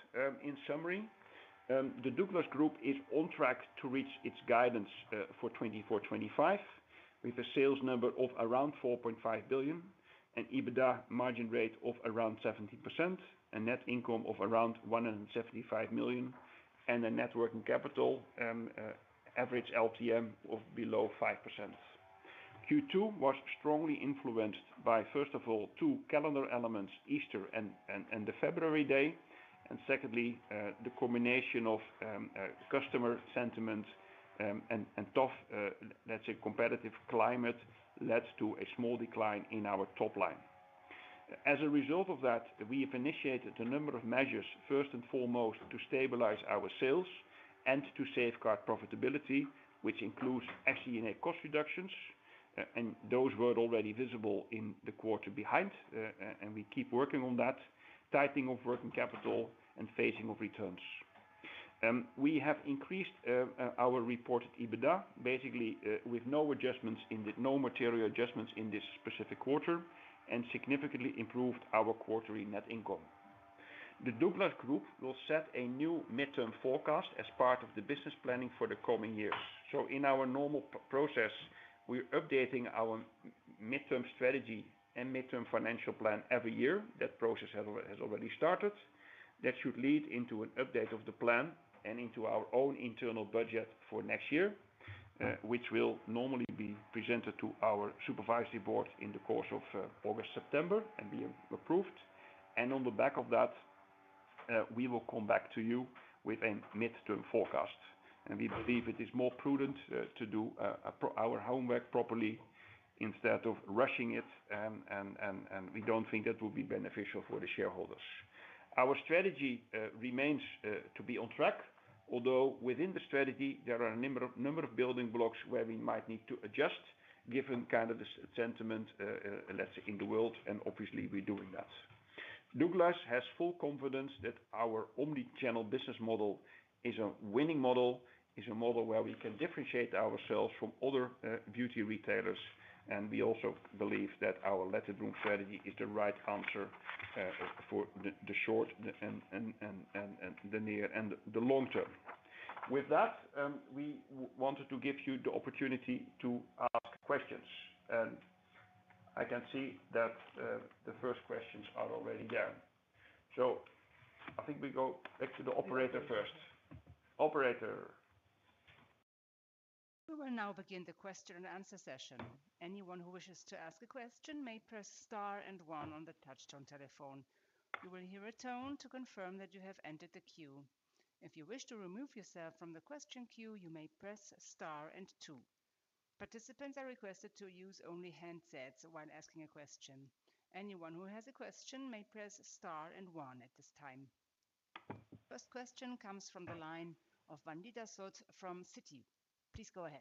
in summary, the Douglas Group is on track to reach its guidance for 2024-2025 with a sales number of around 4.5 billion, an EBITDA margin rate of around 70%, a net income of around 175 million, and a net working capital average LTM of below 5%. Q2 was strongly influenced by, first of all, two calendar elements, Easter and the February day. Secondly, the combination of customer sentiment and tough, let's say, competitive climate led to a small decline in our top line. As a result of that, we have initiated a number of measures, first and foremost, to stabilize our sales and to safeguard profitability, which includes SG&A cost reductions. Those were already visible in the quarter behind. We keep working on that, tightening of working capital and phasing of returns. We have increased our reported EBITDA, basically with no material adjustments in this specific quarter, and significantly improved our quarterly net income. The Douglas Group will set a new midterm forecast as part of the business planning for the coming years. In our normal process, we're updating our midterm strategy and midterm financial plan every year. That process has already started. That should lead into an update of the plan and into our own internal budget for next year, which will normally be presented to our supervisory board in the course of August, September, and be approved. On the back of that, we will come back to you with a midterm forecast. We believe it is more prudent to do our homework properly instead of rushing it. We do not think that will be beneficial for the shareholders. Our strategy remains to be on track, although within the strategy, there are a number of building blocks where we might need to adjust given kind of the sentiment, let's say, in the world. Obviously, we are doing that. Douglas has full confidence that our omnichannel business model is a winning model, is a model where we can differentiate ourselves from other beauty retailers. We also believe that our Let It Bloom strategy is the right answer for the short, the near, and the long term. With that, we wanted to give you the opportunity to ask questions. I can see that the first questions are already there. I think we go back to the operator first. Operator. We will now begin the question and answer session. Anyone who wishes to ask a question may press star and one on the touch-tone telephone. You will hear a tone to confirm that you have entered the queue. If you wish to remove yourself from the question queue, you may press star and two. Participants are requested to use only handsets while asking a question. Anyone who has a question may press star and one at this time. First question comes from the line of Van Leenders from Citi. Please go ahead.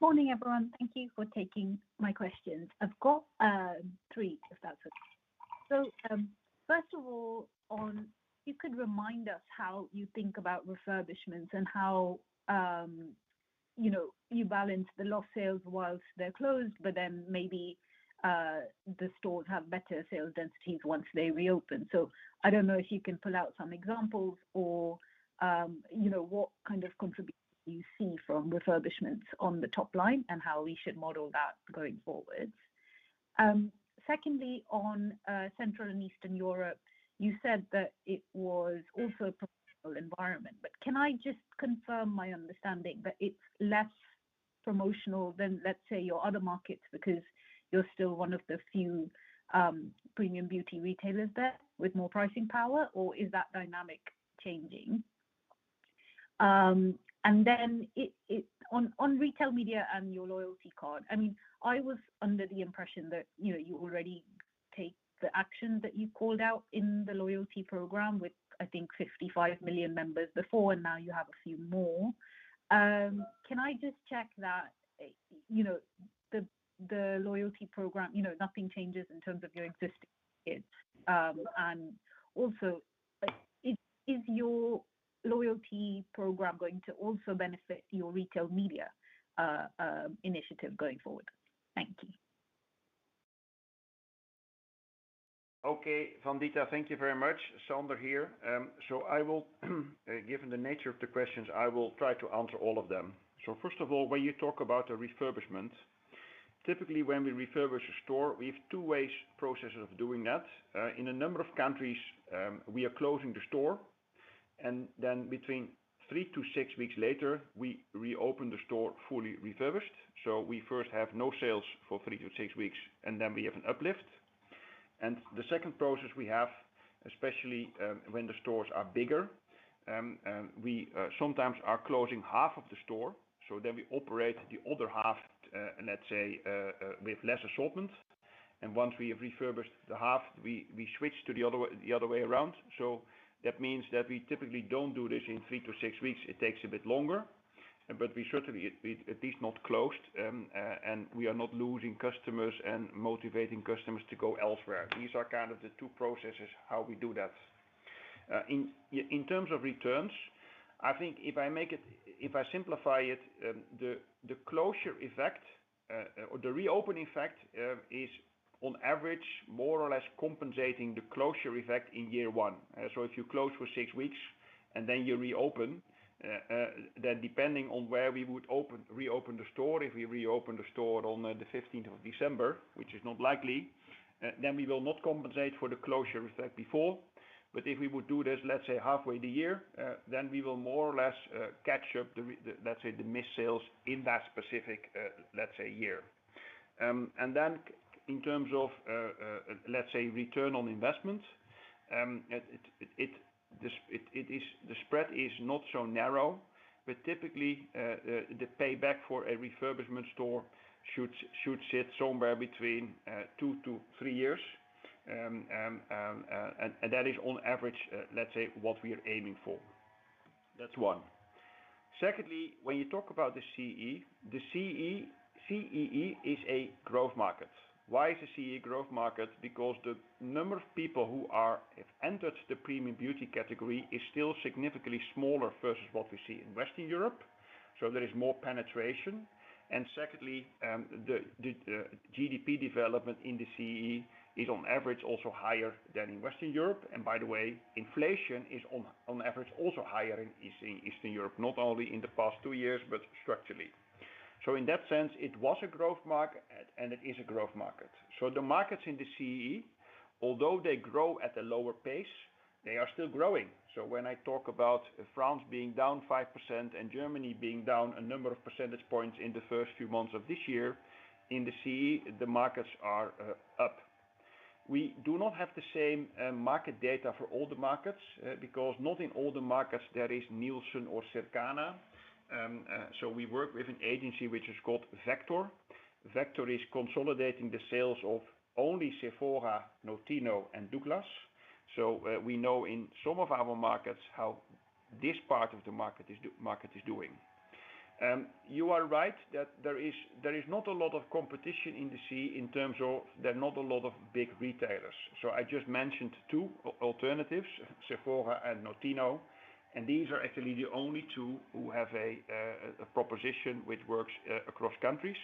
Morning, everyone. Thank you for taking my questions. I've got three, if that's okay. First of all, you could remind us how you think about refurbishments and how you balance the lost sales whilst they're closed, but then maybe the stores have better sales densities once they reopen. I do not know if you can pull out some examples or what kind of contribution you see from refurbishments on the top line and how we should model that going forward. Secondly, on Central and Eastern Europe, you said that it was also a promotional environment. Can I just confirm my understanding that it is less promotional than, let's say, your other markets because you are still one of the few premium beauty retailers there with more pricing power, or is that dynamic changing? On retail media and your loyalty card, I mean, I was under the impression that you already take the action that you called out in the loyalty program with, I think, 55 million members before, and now you have a few more. Can I just check that the loyalty program, nothing changes in terms of your existing kids. And also, is your loyalty program going to also benefit your retail media initiative going forward? Thank you. Okay. Van Leenders, thank you very much. Sander here. Given the nature of the questions, I will try to answer all of them. First of all, when you talk about a refurbishment, typically when we refurbish a store, we have two ways processes of doing that. In a number of countries, we are closing the store. Then between three to six weeks later, we reopen the store fully refurbished. We first have no sales for three to six weeks, and then we have an uplift. The second process we have, especially when the stores are bigger, we sometimes are closing half of the store. We operate the other half, let's say, with less assortment. Once we have refurbished the half, we switch to the other way around. That means that we typically do not do this in three to six weeks. It takes a bit longer. We certainly at least are not closed, and we are not losing customers and motivating customers to go elsewhere. These are kind of the two processes how we do that. In terms of returns, I think if I make it, if I simplify it, the closure effect or the reopening effect is on average more or less compensating the closure effect in year one. If you close for six weeks and then you reopen, then depending on where we would reopen the store, if we reopen the store on the 15th of December, which is not likely, then we will not compensate for the closure effect before. If we would do this, let's say, halfway the year, then we will more or less catch up, let's say, the miss sales in that specific, let's say, year. In terms of, let's say, return on investment, the spread is not so narrow. Typically, the payback for a refurbishment store should sit somewhere between two to three years. That is on average, let's say, what we are aiming for. That's one. Secondly, when you talk about the CEE, the CEE is a growth market. Why is the CEE a growth market? Because the number of people who have entered the premium beauty category is still significantly smaller versus what we see in Western Europe. There is more penetration. Secondly, the GDP development in the CEE is on average also higher than in Western Europe. By the way, inflation is on average also higher in Eastern Europe, not only in the past two years, but structurally. In that sense, it was a growth market, and it is a growth market. The markets in the CE, although they grow at a lower pace, are still growing. When I talk about France being down 5% and Germany being down a number of percentage points in the first few months of this year, in the CE, the markets are up. We do not have the same market data for all the markets because not in all the markets there is Nielsen or Circana. We work with an agency which is called Vector. Vector is consolidating the sales of only Sephora, Notino, and Douglas. We know in some of our markets how this part of the market is doing. You are right that there is not a lot of competition in the CEE in terms of there are not a lot of big retailers. I just mentioned two alternatives, Sephora and Notino. These are actually the only two who have a proposition which works across countries.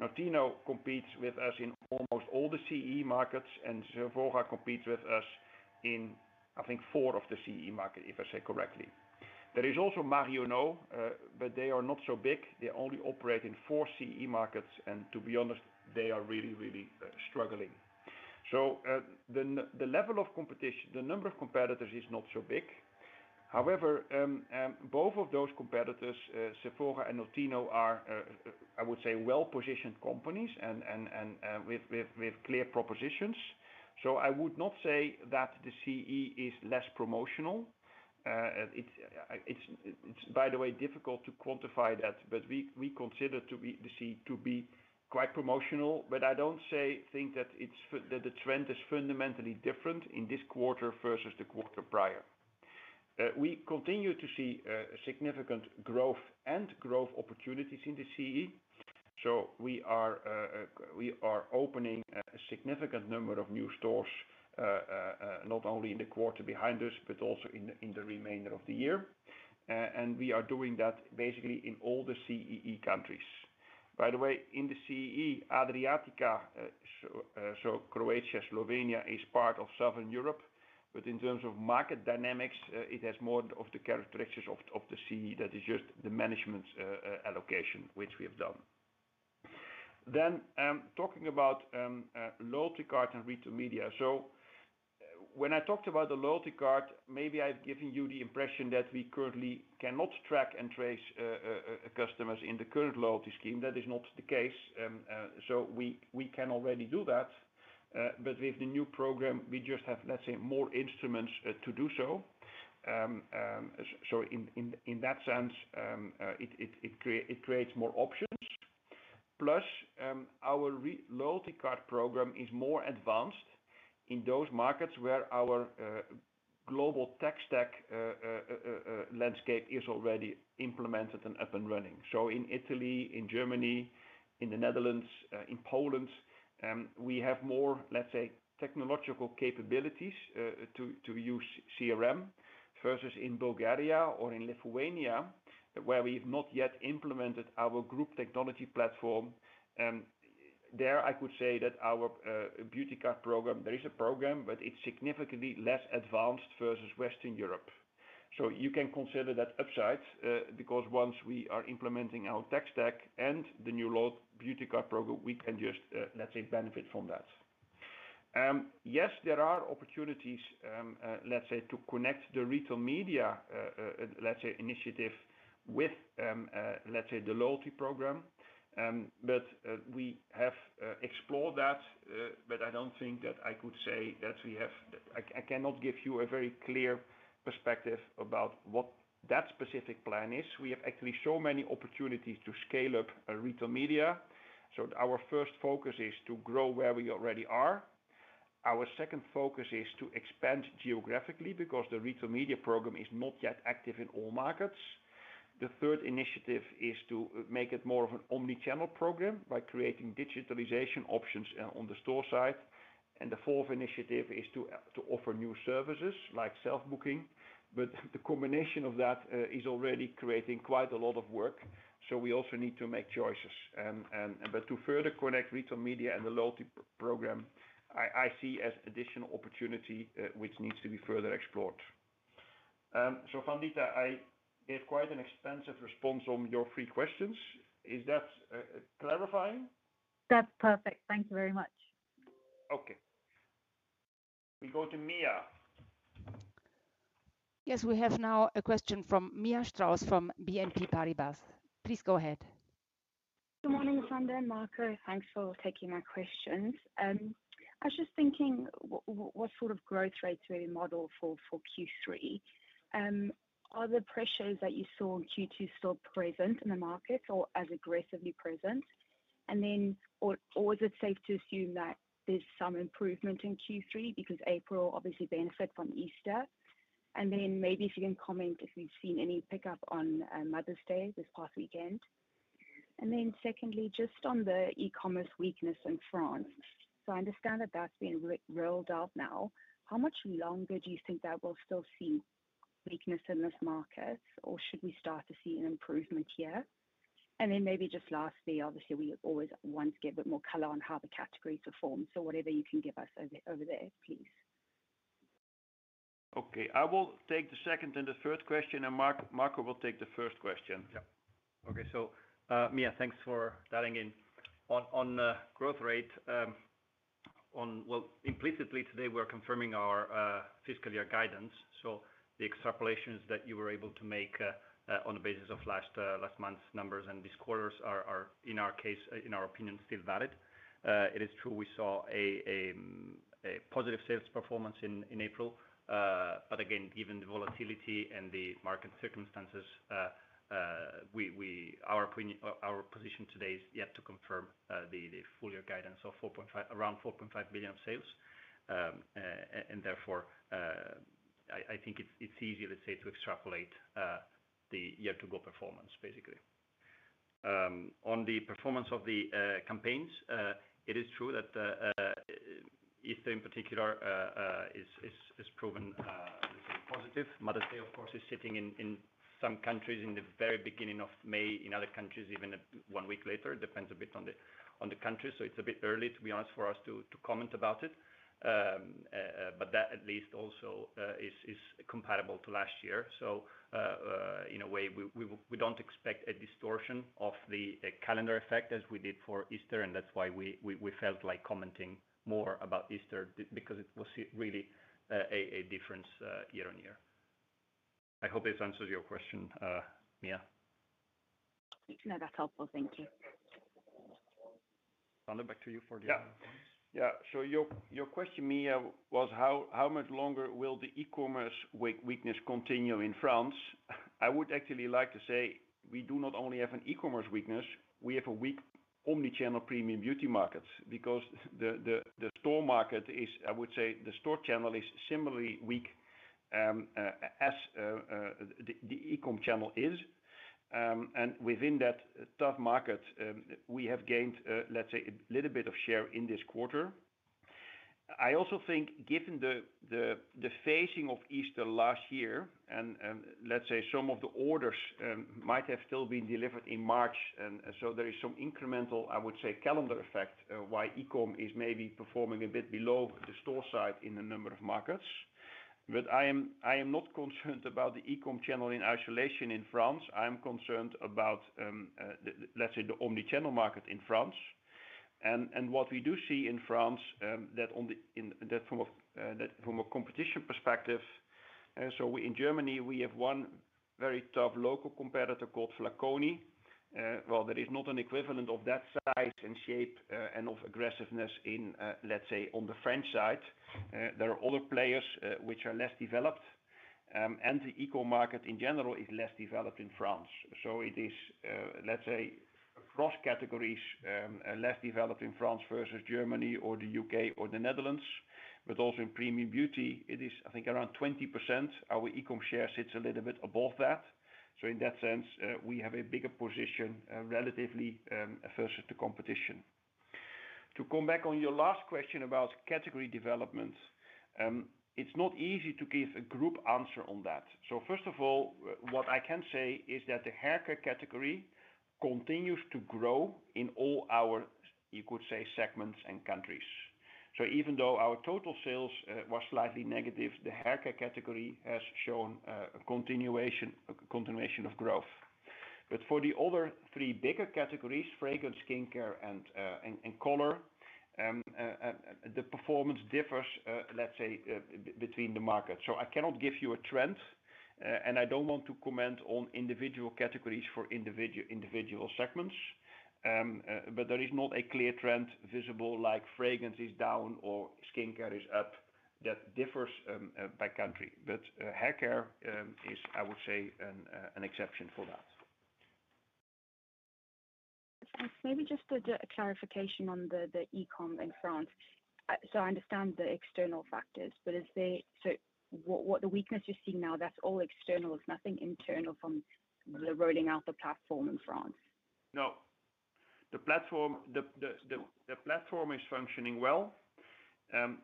Notino competes with us in almost all the CEE markets, and Sephora competes with us in, I think, four of the CEE markets, if I say correctly. There is also Marionnaud, but they are not so big. They only operate in four CEE markets. To be honest, they are really, really struggling. The level of competition, the number of competitors is not so big. However, both of those competitors, Sephora and Notino, are, I would say, well-positioned companies with clear propositions. I would not say that the CEE is less promotional. It's, by the way, difficult to quantify that, but we consider the CE to be quite promotional. I don't think that the trend is fundamentally different in this quarter versus the quarter prior. We continue to see significant growth and growth opportunities in the CE. We are opening a significant number of new stores, not only in the quarter behind us, but also in the remainder of the year. We are doing that basically in all the CEE countries. By the way, in the CEE, Adriatica, so Croatia, Slovenia, is part of Southern Europe. In terms of market dynamics, it has more of the characteristics of the CE. That is just the management allocation, which we have done. Talking about loyalty card and retail media. When I talked about the loyalty card, maybe I have given you the impression that we currently cannot track and trace customers in the current loyalty scheme. That is not the case. We can already do that. With the new program, we just have, let's say, more instruments to do so. In that sense, it creates more options. Plus, our loyalty card program is more advanced in those markets where our global tech stack landscape is already implemented and up and running. In Italy, in Germany, in the Netherlands, in Poland, we have more, let's say, technological capabilities to use CRM versus in Bulgaria or in Lithuania, where we have not yet implemented our group technology platform. There, I could say that our beauty card program, there is a program, but it is significantly less advanced versus Western Europe. You can consider that upside because once we are implementing our tech stack and the new loyalty Beauty Card program, we can just, let's say, benefit from that. Yes, there are opportunities, let's say, to connect the retail media, let's say, initiative with, let's say, the loyalty program. We have explored that. I do not think that I could say that we have—I cannot give you a very clear perspective about what that specific plan is. We have actually so many opportunities to scale up retail media. Our first focus is to grow where we already are. Our second focus is to expand geographically because the retail media program is not yet active in all markets. The third initiative is to make it more of an omnichannel program by creating digitalization options on the store side. The fourth initiative is to offer new services like self-booking. The combination of that is already creating quite a lot of work. We also need to make choices. To further connect retail media and the loyalty program, I see as additional opportunity which needs to be further explored. Van Leenders, I gave quite an extensive response on your three questions. Is that clarifying? That's perfect. Thank you very much. Okay. We go to Mia. Yes, we have now a question from Mia Strauss from BNP Paribas. Please go ahead. Good morning, Sander, and Marco. Thanks for taking my questions. I was just thinking what sort of growth rates were you modeled for Q3? Are the pressures that you saw in Q2 still present in the market or as aggressively present? Is it safe to assume that there is some improvement in Q3 because April obviously benefits from Easter? Maybe if you can comment if we have seen any pickup on Mother's Day this past weekend. Secondly, just on the e-commerce weakness in France. I understand that is being rolled out now. How much longer do you think that we will still see weakness in this market, or should we start to see an improvement here? Maybe just lastly, obviously, we always want to get a bit more color on how the categories are formed. Whatever you can give us over there, please. Okay. I will take the second and the third question, and Marco will take the first question. Okay. Mia, thanks for dialing in. On growth rate, implicitly today, we are confirming our fiscal year guidance. The extrapolations that you were able to make on the basis of last month's numbers and this quarter's are, in our case, in our opinion, still valid. It is true we saw a positive sales performance in April. Again, given the volatility and the market circumstances, our position today is yet to confirm the full year guidance of around 4.5 million of sales. Therefore, I think it's easy, let's say, to extrapolate the year-to-go performance, basically. On the performance of the campaigns, it is true that Easter, in particular, has proven positive. Mother's Day, of course, is sitting in some countries in the very beginning of May, in other countries even one week later. It depends a bit on the country. It is a bit early, to be honest, for us to comment about it. That at least also is compatible to last year. In a way, we do not expect a distortion of the calendar effect as we did for Easter. That is why we felt like commenting more about Easter because it was really a difference year on year. I hope this answers your question, Mia. No, that is helpful. Thank you. Sander, back to you for the other ones. Yeah. Your question, Mia, was how much longer will the e-commerce weakness continue in France? I would actually like to say we do not only have an e-commerce weakness. We have a weak omnichannel premium beauty market because the store market is, I would say, the store channel is similarly weak as the e-com channel is. Within that tough market, we have gained, let us say, a little bit of share in this quarter. I also think given the phasing of Easter last year, and let's say some of the orders might have still been delivered in March. There is some incremental, I would say, calendar effect why e-com is maybe performing a bit below the store side in a number of markets. I am not concerned about the e-com channel in isolation in France. I am concerned about, let's say, the omnichannel market in France. What we do see in France, that from a competition perspective, in Germany, we have one very tough local competitor called Flaconi. There is not an equivalent of that size and shape and of aggressiveness on the French side. There are other players which are less developed. The e-com market in general is less developed in France. It is, let's say, across categories, less developed in France versus Germany or the U.K. or the Netherlands. Also in premium beauty, it is, I think, around 20%. Our e-com share sits a little bit above that. In that sense, we have a bigger position relatively versus the competition. To come back on your last question about category development, it's not easy to give a group answer on that. First of all, what I can say is that the haircare category continues to grow in all our, you could say, segments and countries. Even though our total sales were slightly negative, the haircare category has shown a continuation of growth. For the other three bigger categories, fragrance, skincare, and color, the performance differs, let's say, between the markets. I cannot give you a trend, and I do not want to comment on individual categories for individual segments. There is not a clear trend visible like fragrance is down or skincare is up; that differs by country. Haircare is, I would say, an exception for that. Thanks. Maybe just a clarification on the e-com in France. I understand the external factors, but is the weakness you are seeing now all external, nothing internal from rolling out the platform in France? No. The platform is functioning well.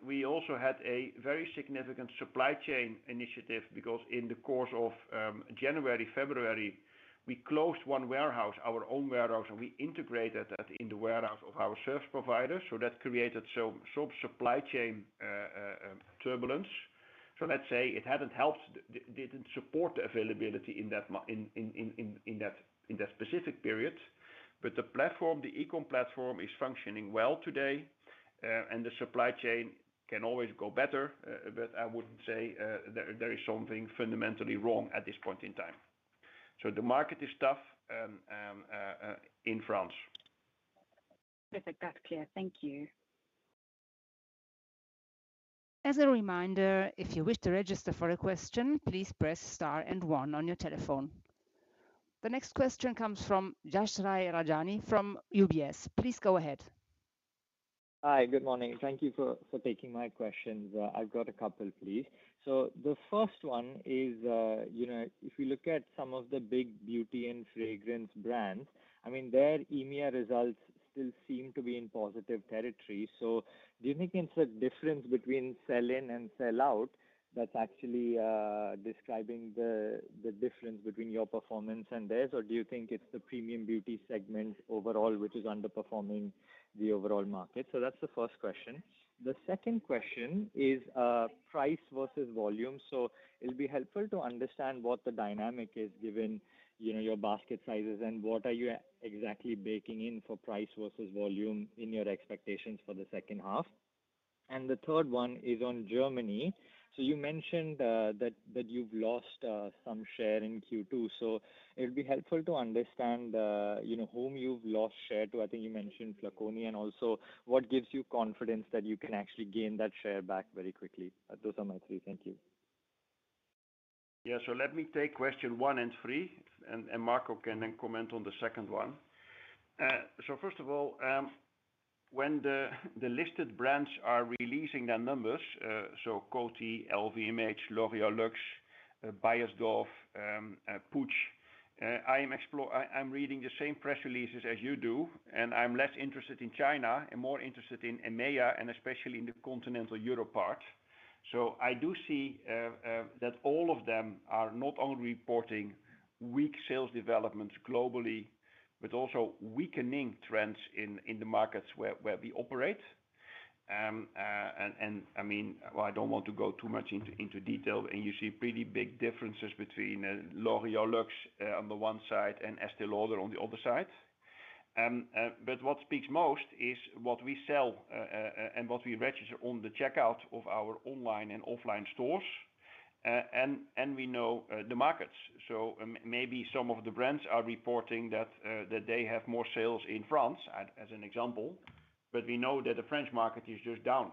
We also had a very significant supply chain initiative because in the course of January and February, we closed one warehouse, our own warehouse, and we integrated that in the warehouse of our service providers. That created some supply chain turbulence. It had not helped, did not support the availability in that specific period. The platform, the e-com platform, is functioning well today. The supply chain can always go better, but I would not say there is something fundamentally wrong at this point in time. The market is tough in France. Perfect. That is clear. Thank you. As a reminder, if you wish to register for a question, please press star and one on your telephone. The next question comes from Yashraj Rajani from UBS. Please go ahead. Hi. Good morning. Thank you for taking my questions. I have got a couple, please. The first one is if we look at some of the big beauty and fragrance brands, I mean, their EMEA results still seem to be in positive territory. Do you think it is a difference between sell-in and sell-out that is actually describing the difference between your performance and theirs? Do you think it's the premium beauty segment overall which is underperforming the overall market? That's the first question. The second question is price versus volume. It'll be helpful to understand what the dynamic is given your basket sizes and what are you exactly baking in for price versus volume in your expectations for the second half. The third one is on Germany. You mentioned that you've lost some share in Q2. It'll be helpful to understand whom you've lost share to. I think you mentioned Flaconi and also what gives you confidence that you can actually gain that share back very quickly. Those are my three. Thank you. Yeah. Let me take question one and three, and Marco can then comment on the second one. First of all, when the listed brands are releasing their numbers, so Coty, LVMH, L'Oréal Luxe, Beiersdorf, Puig, I'm reading the same press releases as you do, and I'm less interested in China and more interested in EMEA and especially in the continental Europe part. I do see that all of them are not only reporting weak sales developments globally, but also weakening trends in the markets where we operate. I mean, I don't want to go too much into detail, and you see pretty big differences between L'Oréal Luxe on the one side and Estée Lauder on the other side. What speaks most is what we sell and what we register on the checkout of our online and offline stores. We know the markets. Maybe some of the brands are reporting that they have more sales in France, as an example. We know that the French market is just down.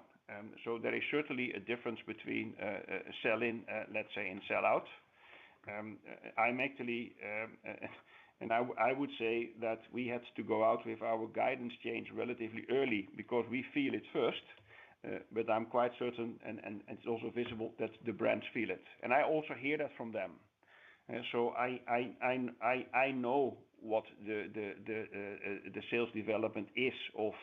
There is certainly a difference between sell-in, let's say, and sell-out. I'm actually, and I would say that we had to go out with our guidance change relatively early because we feel it first. I'm quite certain, and it's also visible that the brands feel it. I also hear that from them. I know what the sales development is of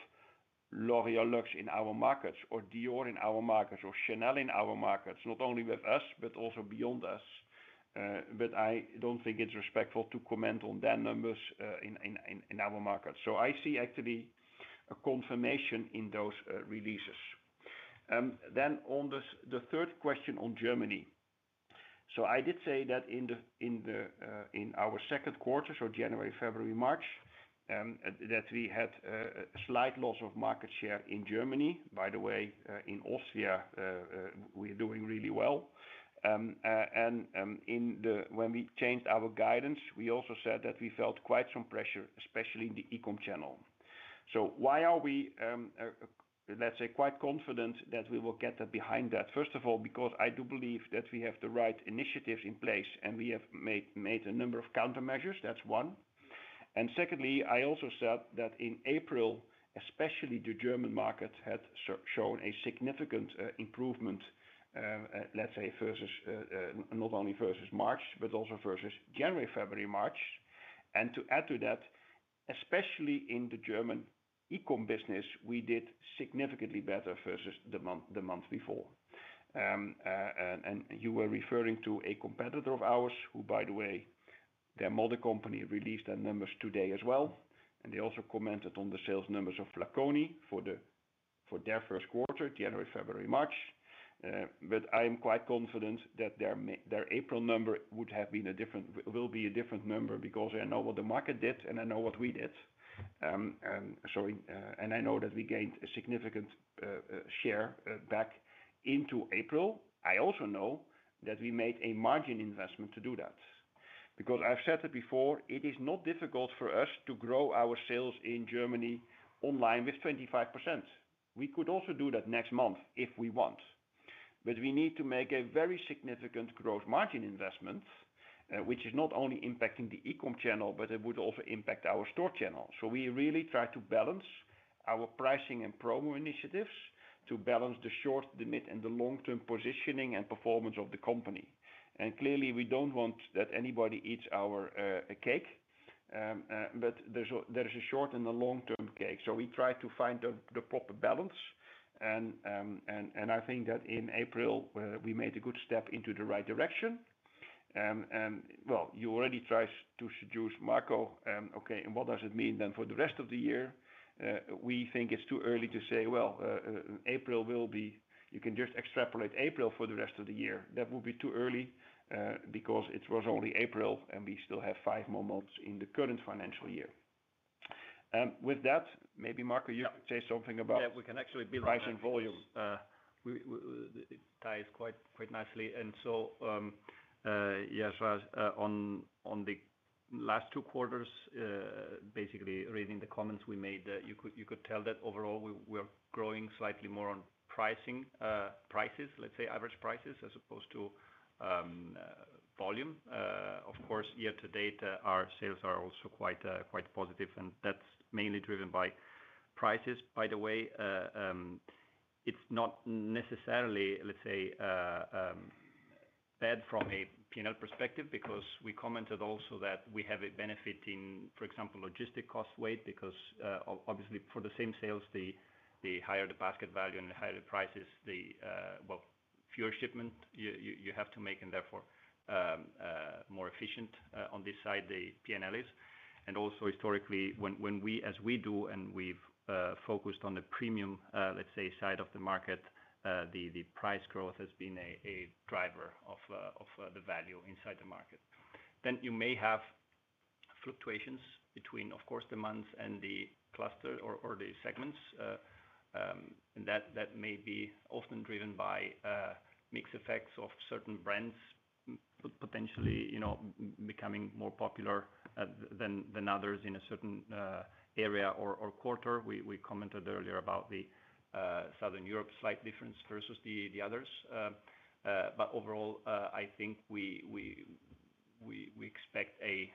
L'Oréal Luxe in our markets or Dior in our markets or Chanel in our markets, not only with us, but also beyond us. I don't think it's respectful to comment on their numbers in our markets. I see actually a confirmation in those releases. On the third question on Germany, I did say that in our second quarter, January, February, March, we had a slight loss of market share in Germany. By the way, in Austria, we are doing really well. When we changed our guidance, we also said that we felt quite some pressure, especially in the e-com channel. Why are we, let's say, quite confident that we will get behind that? First of all, because I do believe that we have the right initiatives in place, and we have made a number of countermeasures. That is one. Secondly, I also said that in April, especially the German market had shown a significant improvement, let's say, not only versus March, but also versus January, February, March. To add to that, especially in the German e-com business, we did significantly better versus the month before. You were referring to a competitor of ours who, by the way, their model company released their numbers today as well. They also commented on the sales numbers of Flaconi for their first quarter, January, February, March. I am quite confident that their April number would have been a different, will be a different number because I know what the market did, and I know what we did. I know that we gained a significant share back into April. I also know that we made a margin investment to do that. Because I have said it before, it is not difficult for us to grow our sales in Germany online with 25%. We could also do that next month if we want. We need to make a very significant gross margin investment, which is not only impacting the e-com channel, but it would also impact our store channel. We really try to balance our pricing and promo initiatives to balance the short, the mid, and the long-term positioning and performance of the company. Clearly, we do not want that anybody eats our cake. There is a short and a long-term cake. We try to find the proper balance. I think that in April, we made a good step into the right direction. You already tried to seduce Marco. Okay. What does it mean then for the rest of the year? We think it's too early to say, "April will be, you can just extrapolate April for the rest of the year." That would be too early because it was only April, and we still have five more months in the current financial year. With that, maybe Marco, you could say something about price and volume. Yeah. We can actually build on that. It ties quite nicely. Yashraj, on the last two quarters, basically reading the comments we made, you could tell that overall we're growing slightly more on prices, let's say, average prices as opposed to volume. Of course, year to date, our sales are also quite positive, and that's mainly driven by prices. By the way, it's not necessarily, let's say, bad from a P&L perspective because we commented also that we have a benefit in, for example, logistic cost weight because obviously for the same sales, the higher the basket value and the higher the prices, the, well, fewer shipment you have to make, and therefore more efficient on this side, the P&L is. Also, historically, as we do, and we've focused on the premium, let's say, side of the market, the price growth has been a driver of the value inside the market. You may have fluctuations between, of course, the months and the cluster or the segments. That may be often driven by mixed effects of certain brands potentially becoming more popular than others in a certain area or quarter. We commented earlier about the Southern Europe slight difference versus the others. But overall, I think we expect a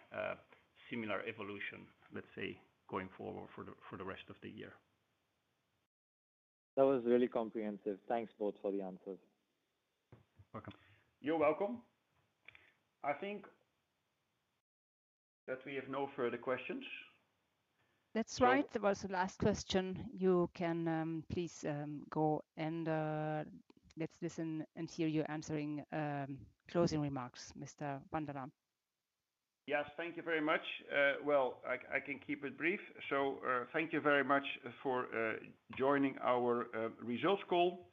similar evolution, let's say, going forward for the rest of the year. That was really comprehensive. Thanks both for the answers. You're welcome. I think that we have no further questions. That's right. That was the last question. You can please go and let's listen and hear you answering closing remarks, Mr. Van der Laan. Yes. Thank you very much. I can keep it brief. Thank you very much for joining our results call.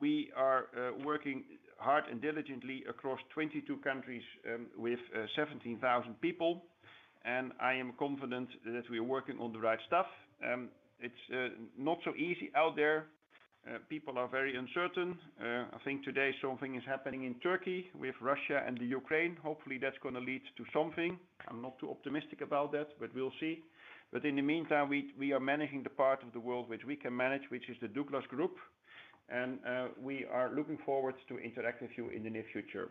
We are working hard and diligently across 22 countries with 17,000 people. I am confident that we are working on the right stuff. It's not so easy out there. People are very uncertain. I think today something is happening in Turkey with Russia and the Ukraine. Hopefully, that's going to lead to something. I'm not too optimistic about that, but we'll see. In the meantime, we are managing the part of the world which we can manage, which is the Douglas Group. We are looking forward to interacting with you in the near future.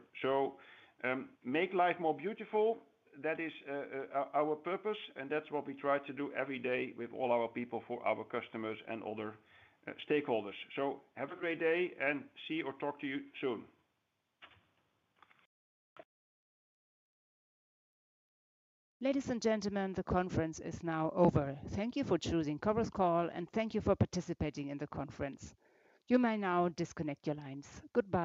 Make life more beautiful. That is our purpose, and that's what we try to do every day with all our people for our customers and other stakeholders. Have a great day and see or talk to you soon. Ladies and gentlemen, the conference is now over. Thank you for choosing Cobblestone Call, and thank you for participating in the conference. You may now disconnect your lines. Goodbye.